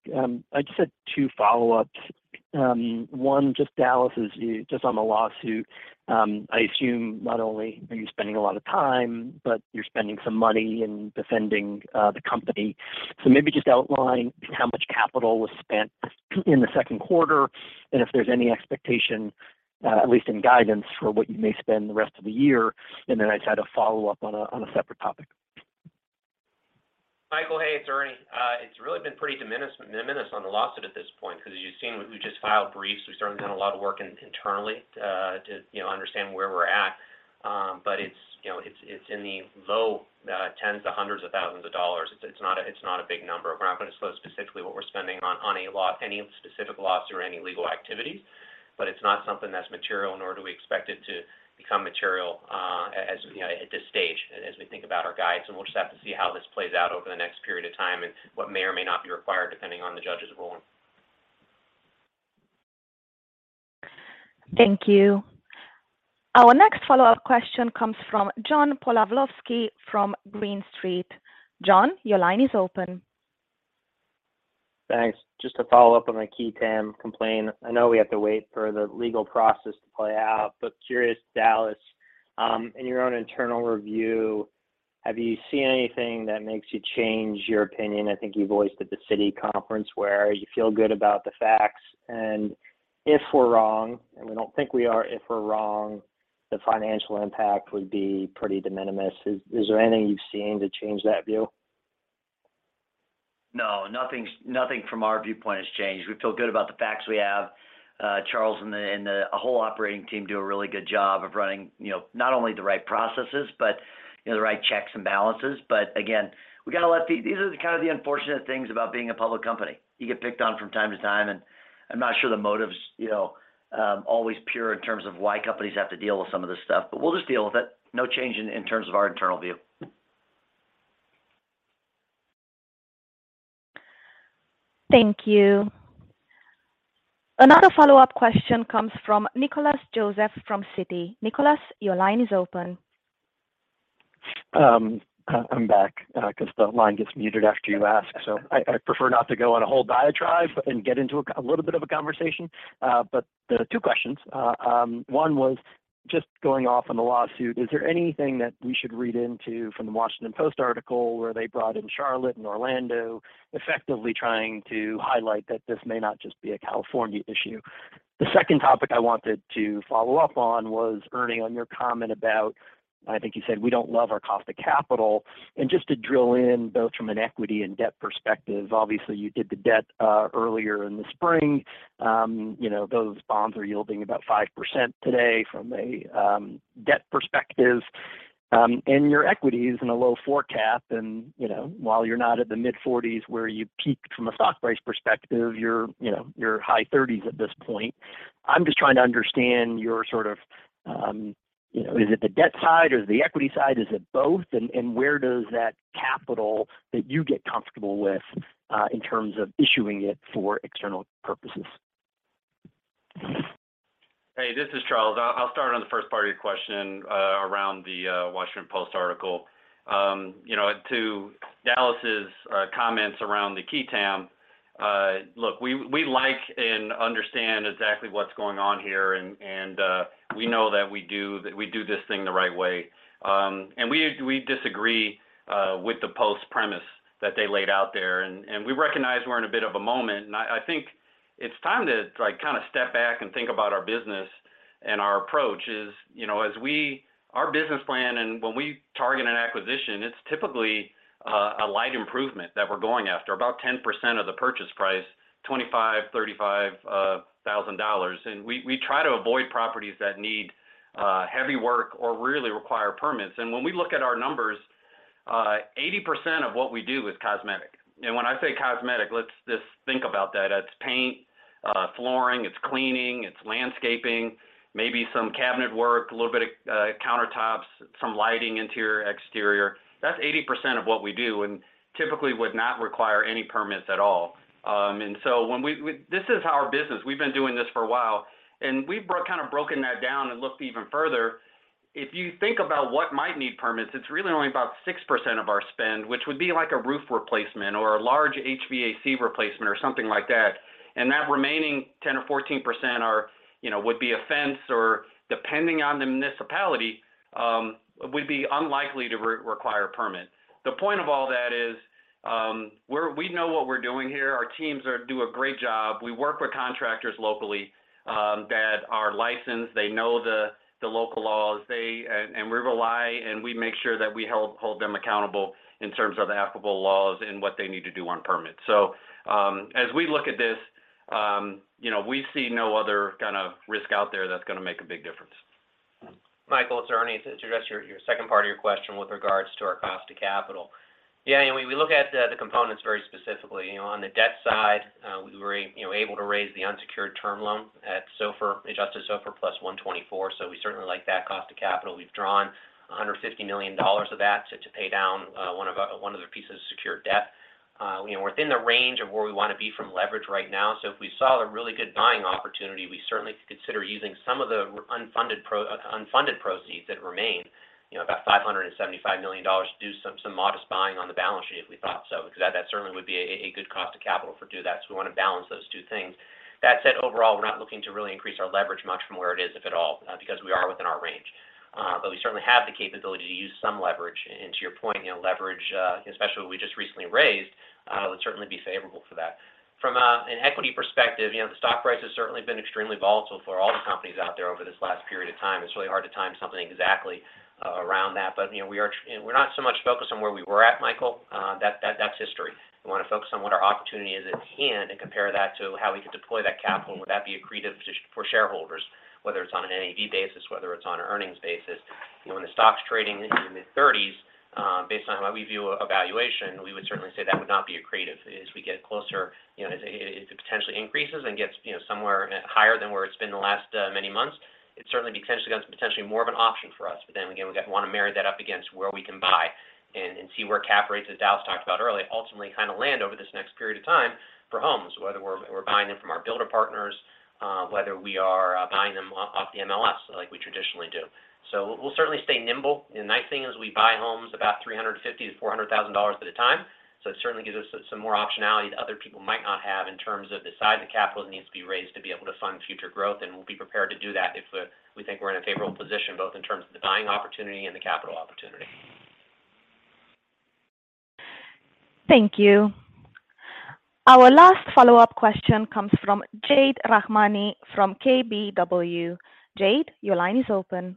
I just had two follow-ups. One, just Dallas, just on the lawsuit, I assume not only are you spending a lot of time, but you're spending some money in defending the company. Maybe just outline how much capital was spent in the second quarter, and if there's any expectation, at least in guidance for what you may spend the rest of the year. Then I just had a follow-up on a separate topic. Michael, hey, it's Ernie. It's really been pretty de minimis on the lawsuit at this point because as you've seen, we just filed briefs. We've certainly done a lot of work internally to you know understand where we're at. But it's you know it's in the low 10s to 100s of thousands of dollars. It's not a big number. We're not gonna disclose specifically what we're spending on any specific lawsuit or any legal activity, but it's not something that's material, nor do we expect it to become material as you know at this stage and as we think about our guides. We'll just have to see how this plays out over the next period of time and what may or may not be required depending on the judge's ruling. Thank you. Our next follow-up question comes from John Pawlowski from Green Street. John, your line is open. Thanks. Just to follow up on the Qui Tam complaint. I know we have to wait for the legal process to play out, but curious, Dallas, in your own internal review, have you seen anything that makes you change your opinion? I think you voiced at the Citi conference where you feel good about the facts. If we're wrong, and we don't think we are, if we're wrong, the financial impact would be pretty de minimis. Is there anything you've seen to change that view? No. Nothing from our viewpoint has changed. We feel good about the facts we have. Charles and the whole operating team do a really good job of running, you know, not only the right processes, but, you know, the right checks and balances. These are the kind of unfortunate things about being a public company. You get picked on from time to time, and I'm not sure the motive's, you know, always pure in terms of why companies have to deal with some of this stuff, but we'll just deal with it. No change in terms of our internal view. Thank you. Another follow-up question comes from Nick Joseph from Citi. Nick, your line is open. I'm back, 'cause the line gets muted after you ask. I prefer not to go on a whole diatribe and get into a little bit of a conversation. The two questions, one was just going off on the lawsuit. Is there anything that we should read into from The Washington Post article where they brought in Charlotte and Orlando, effectively trying to highlight that this may not just be a California issue? The second topic I wanted to follow up on was, Ernie, on your comment about, I think you said, we don't love our cost of capital. Just to drill in both from an equity and debt perspective, obviously you did the debt earlier in the spring. You know, those bonds are yielding about 5% today from a debt perspective, and your equity is in a low forties forecast. You know, while you're not at the mid-40s where you peaked from a stock price perspective, you're, you know, you're high 30s at this point. I'm just trying to understand your sort of, you know, is it the debt side or is it the equity side? Is it both? And where does that capital that you get comfortable with in terms of issuing it for external purposes? Hey, this is Charles. I'll start on the first part of your question around the Washington Post article. You know, to Dallas's comments around the qui tam, look, we like and understand exactly what's going on here and we know that we do this thing the right way. We disagree with the Post premise that they laid out there. We recognize we're in a bit of a moment, and I think it's time to like kind of step back and think about our business and our approach, you know, as our business plan and when we target an acquisition, it's typically a light improvement that we're going after. About 10% of the purchase price, $25,000-$35,000. We try to avoid properties that need heavy work or really require permits. When we look at our numbers, 80% of what we do is cosmetic. When I say cosmetic, let's just think about that. It's paint, flooring, it's cleaning, it's landscaping, maybe some cabinet work, a little bit of countertops, some lighting, interior, exterior. That's 80% of what we do, and typically would not require any permits at all. This is our business. We've been doing this for a while, and we've kind of broken that down and looked even further. If you think about what might need permits, it's really only about 6% of our spend, which would be like a roof replacement or a large HVAC replacement or something like that. That remaining 10% or 14% are, you know, would be a fence or depending on the municipality, would be unlikely to require a permit. The point of all that is, we're we know what we're doing here. Our teams do a great job. We work with contractors locally, that are licensed. They know the local laws. We rely and we make sure that we hold them accountable in terms of the applicable laws and what they need to do on permits. As we look at this, you know, we see no other kind of risk out there that's gonna make a big difference. Michael, it's Ernie. To address your second part of your question with regards to our cost to capital. Yeah, you know, we look at the components very specifically. You know, on the debt side, we were, you know, able to raise the unsecured term loan at SOFR, adjusted SOFR plus 124, so we certainly like that cost to capital. We've drawn $150 million of that to pay down one of the pieces of secured debt. You know, we're within the range of where we wanna be from leverage right now. If we saw a really good buying opportunity, we certainly could consider using some of the unfunded proceeds that remain, you know, about $575 million to do some modest buying on the balance sheet if we thought so, because that certainly would be a good cost of capital for doing that. We wanna balance those two things. That said, overall, we're not looking to really increase our leverage much from where it is, if at all, because we are within our range. We certainly have the capability to use some leverage. To your point, you know, leverage, especially what we just recently raised, would certainly be favorable for that. From an equity perspective, you know, the stock price has certainly been extremely volatile for all the companies out there over this last period of time. It's really hard to time something exactly around that. You know, we're not so much focused on where we were at, Michael, that's history. We wanna focus on what our opportunity is at hand and compare that to how we could deploy that capital. Would that be accretive for shareholders, whether it's on an NAV basis, whether it's on an earnings basis. You know, when the stock's trading in the mid-30s, based on how we view a valuation, we would certainly say that would not be accretive. As we get closer, you know, it potentially increases and gets, you know, somewhere higher than where it's been the last many months. It certainly be potentially more of an option for us. Again, we'd wanna marry that up against where we can buy and see where cap rates, as Dallas talked about earlier, ultimately kind of land over this next period of time for homes, whether we're buying them from our builder partners, whether we are buying them off the MLS like we traditionally do. We'll certainly stay nimble. The nice thing is we buy homes about $350,000-$400,000 at a time. It certainly gives us some more optionality that other people might not have in terms of the size of capital that needs to be raised to be able to fund future growth, and we'll be prepared to do that if we think we're in a favorable position, both in terms of the buying opportunity and the capital opportunity. Thank you. Our last follow-up question comes from Jade Rahmani from KBW. Jade, your line is open.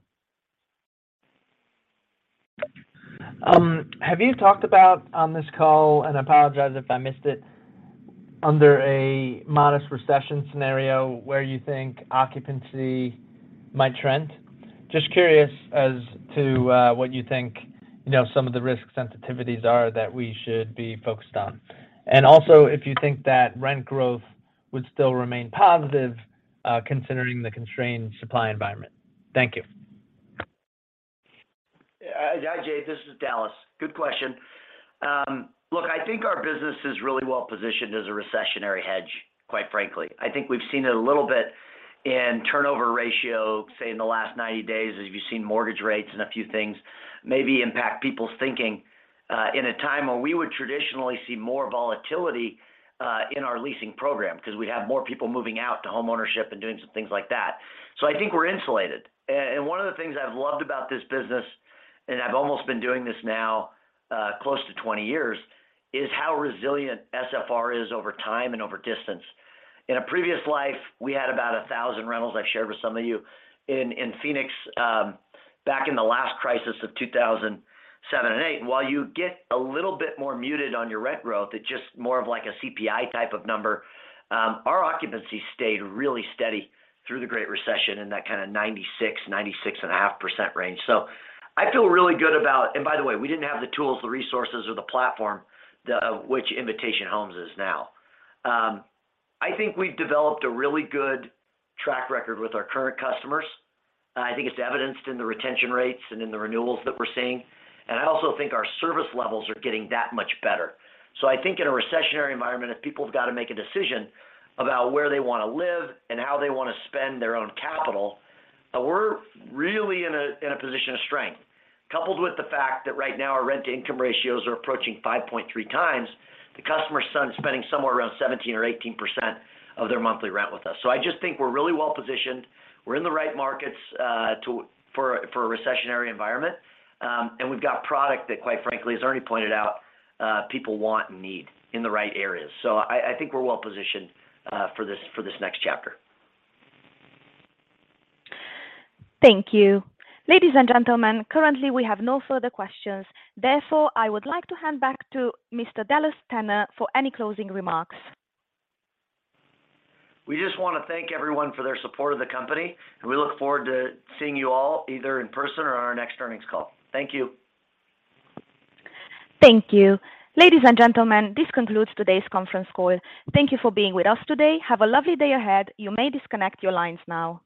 Have you talked about on this call, and I apologize if I missed it, under a modest recession scenario, where you think occupancy might trend? Just curious as to what you think, you know, some of the risk sensitivities are that we should be focused on. Also if you think that rent growth would still remain positive, considering the constrained supply environment. Thank you. Jade, this is Dallas. Good question. Look, I think our business is really well positioned as a recessionary hedge, quite frankly. I think we've seen it a little bit in turnover ratio, say, in the last 90 days as you've seen mortgage rates and a few things maybe impact people's thinking, in a time when we would traditionally see more volatility in our leasing program 'cause we'd have more people moving out to homeownership and doing some things like that. I think we're insulated. And one of the things I've loved about this business, and I've almost been doing this now, close to 20 years, is how resilient SFR is over time and over distance. In a previous life, we had about 1,000 rentals I've shared with some of you in Phoenix, back in the last crisis of 2007 and 2008. While you get a little bit more muted on your rent growth, it's just more of like a CPI type of number, our occupancy stayed really steady through the Great Recession in that kinda 96.5% range. I feel really good about. By the way, we didn't have the tools, the resources or the platform which Invitation Homes is now. I think we've developed a really good track record with our current customers. I think it's evidenced in the retention rates and in the renewals that we're seeing. I also think our service levels are getting that much better. I think in a recessionary environment, if people have got to make a decision about where they wanna live and how they wanna spend their own capital, we're really in a position of strength. Coupled with the fact that right now our rent-to-income ratios are approaching 5.3x, the customer is spending somewhere around 17% or 18% of their monthly income on rent with us. I just think we're really well positioned. We're in the right markets for a recessionary environment. And we've got product that, quite frankly, as Ernie pointed out, people want and need in the right areas. I think we're well positioned for this next chapter. Thank you. Ladies and gentlemen, currently we have no further questions. Therefore, I would like to hand back to Mr. Dallas Tanner for any closing remarks. We just wanna thank everyone for their support of the company, and we look forward to seeing you all either in person or on our next earnings call. Thank you. Thank you. Ladies and gentlemen, this concludes today's conference call. Thank you for being with us today. Have a lovely day ahead. You may disconnect your lines now.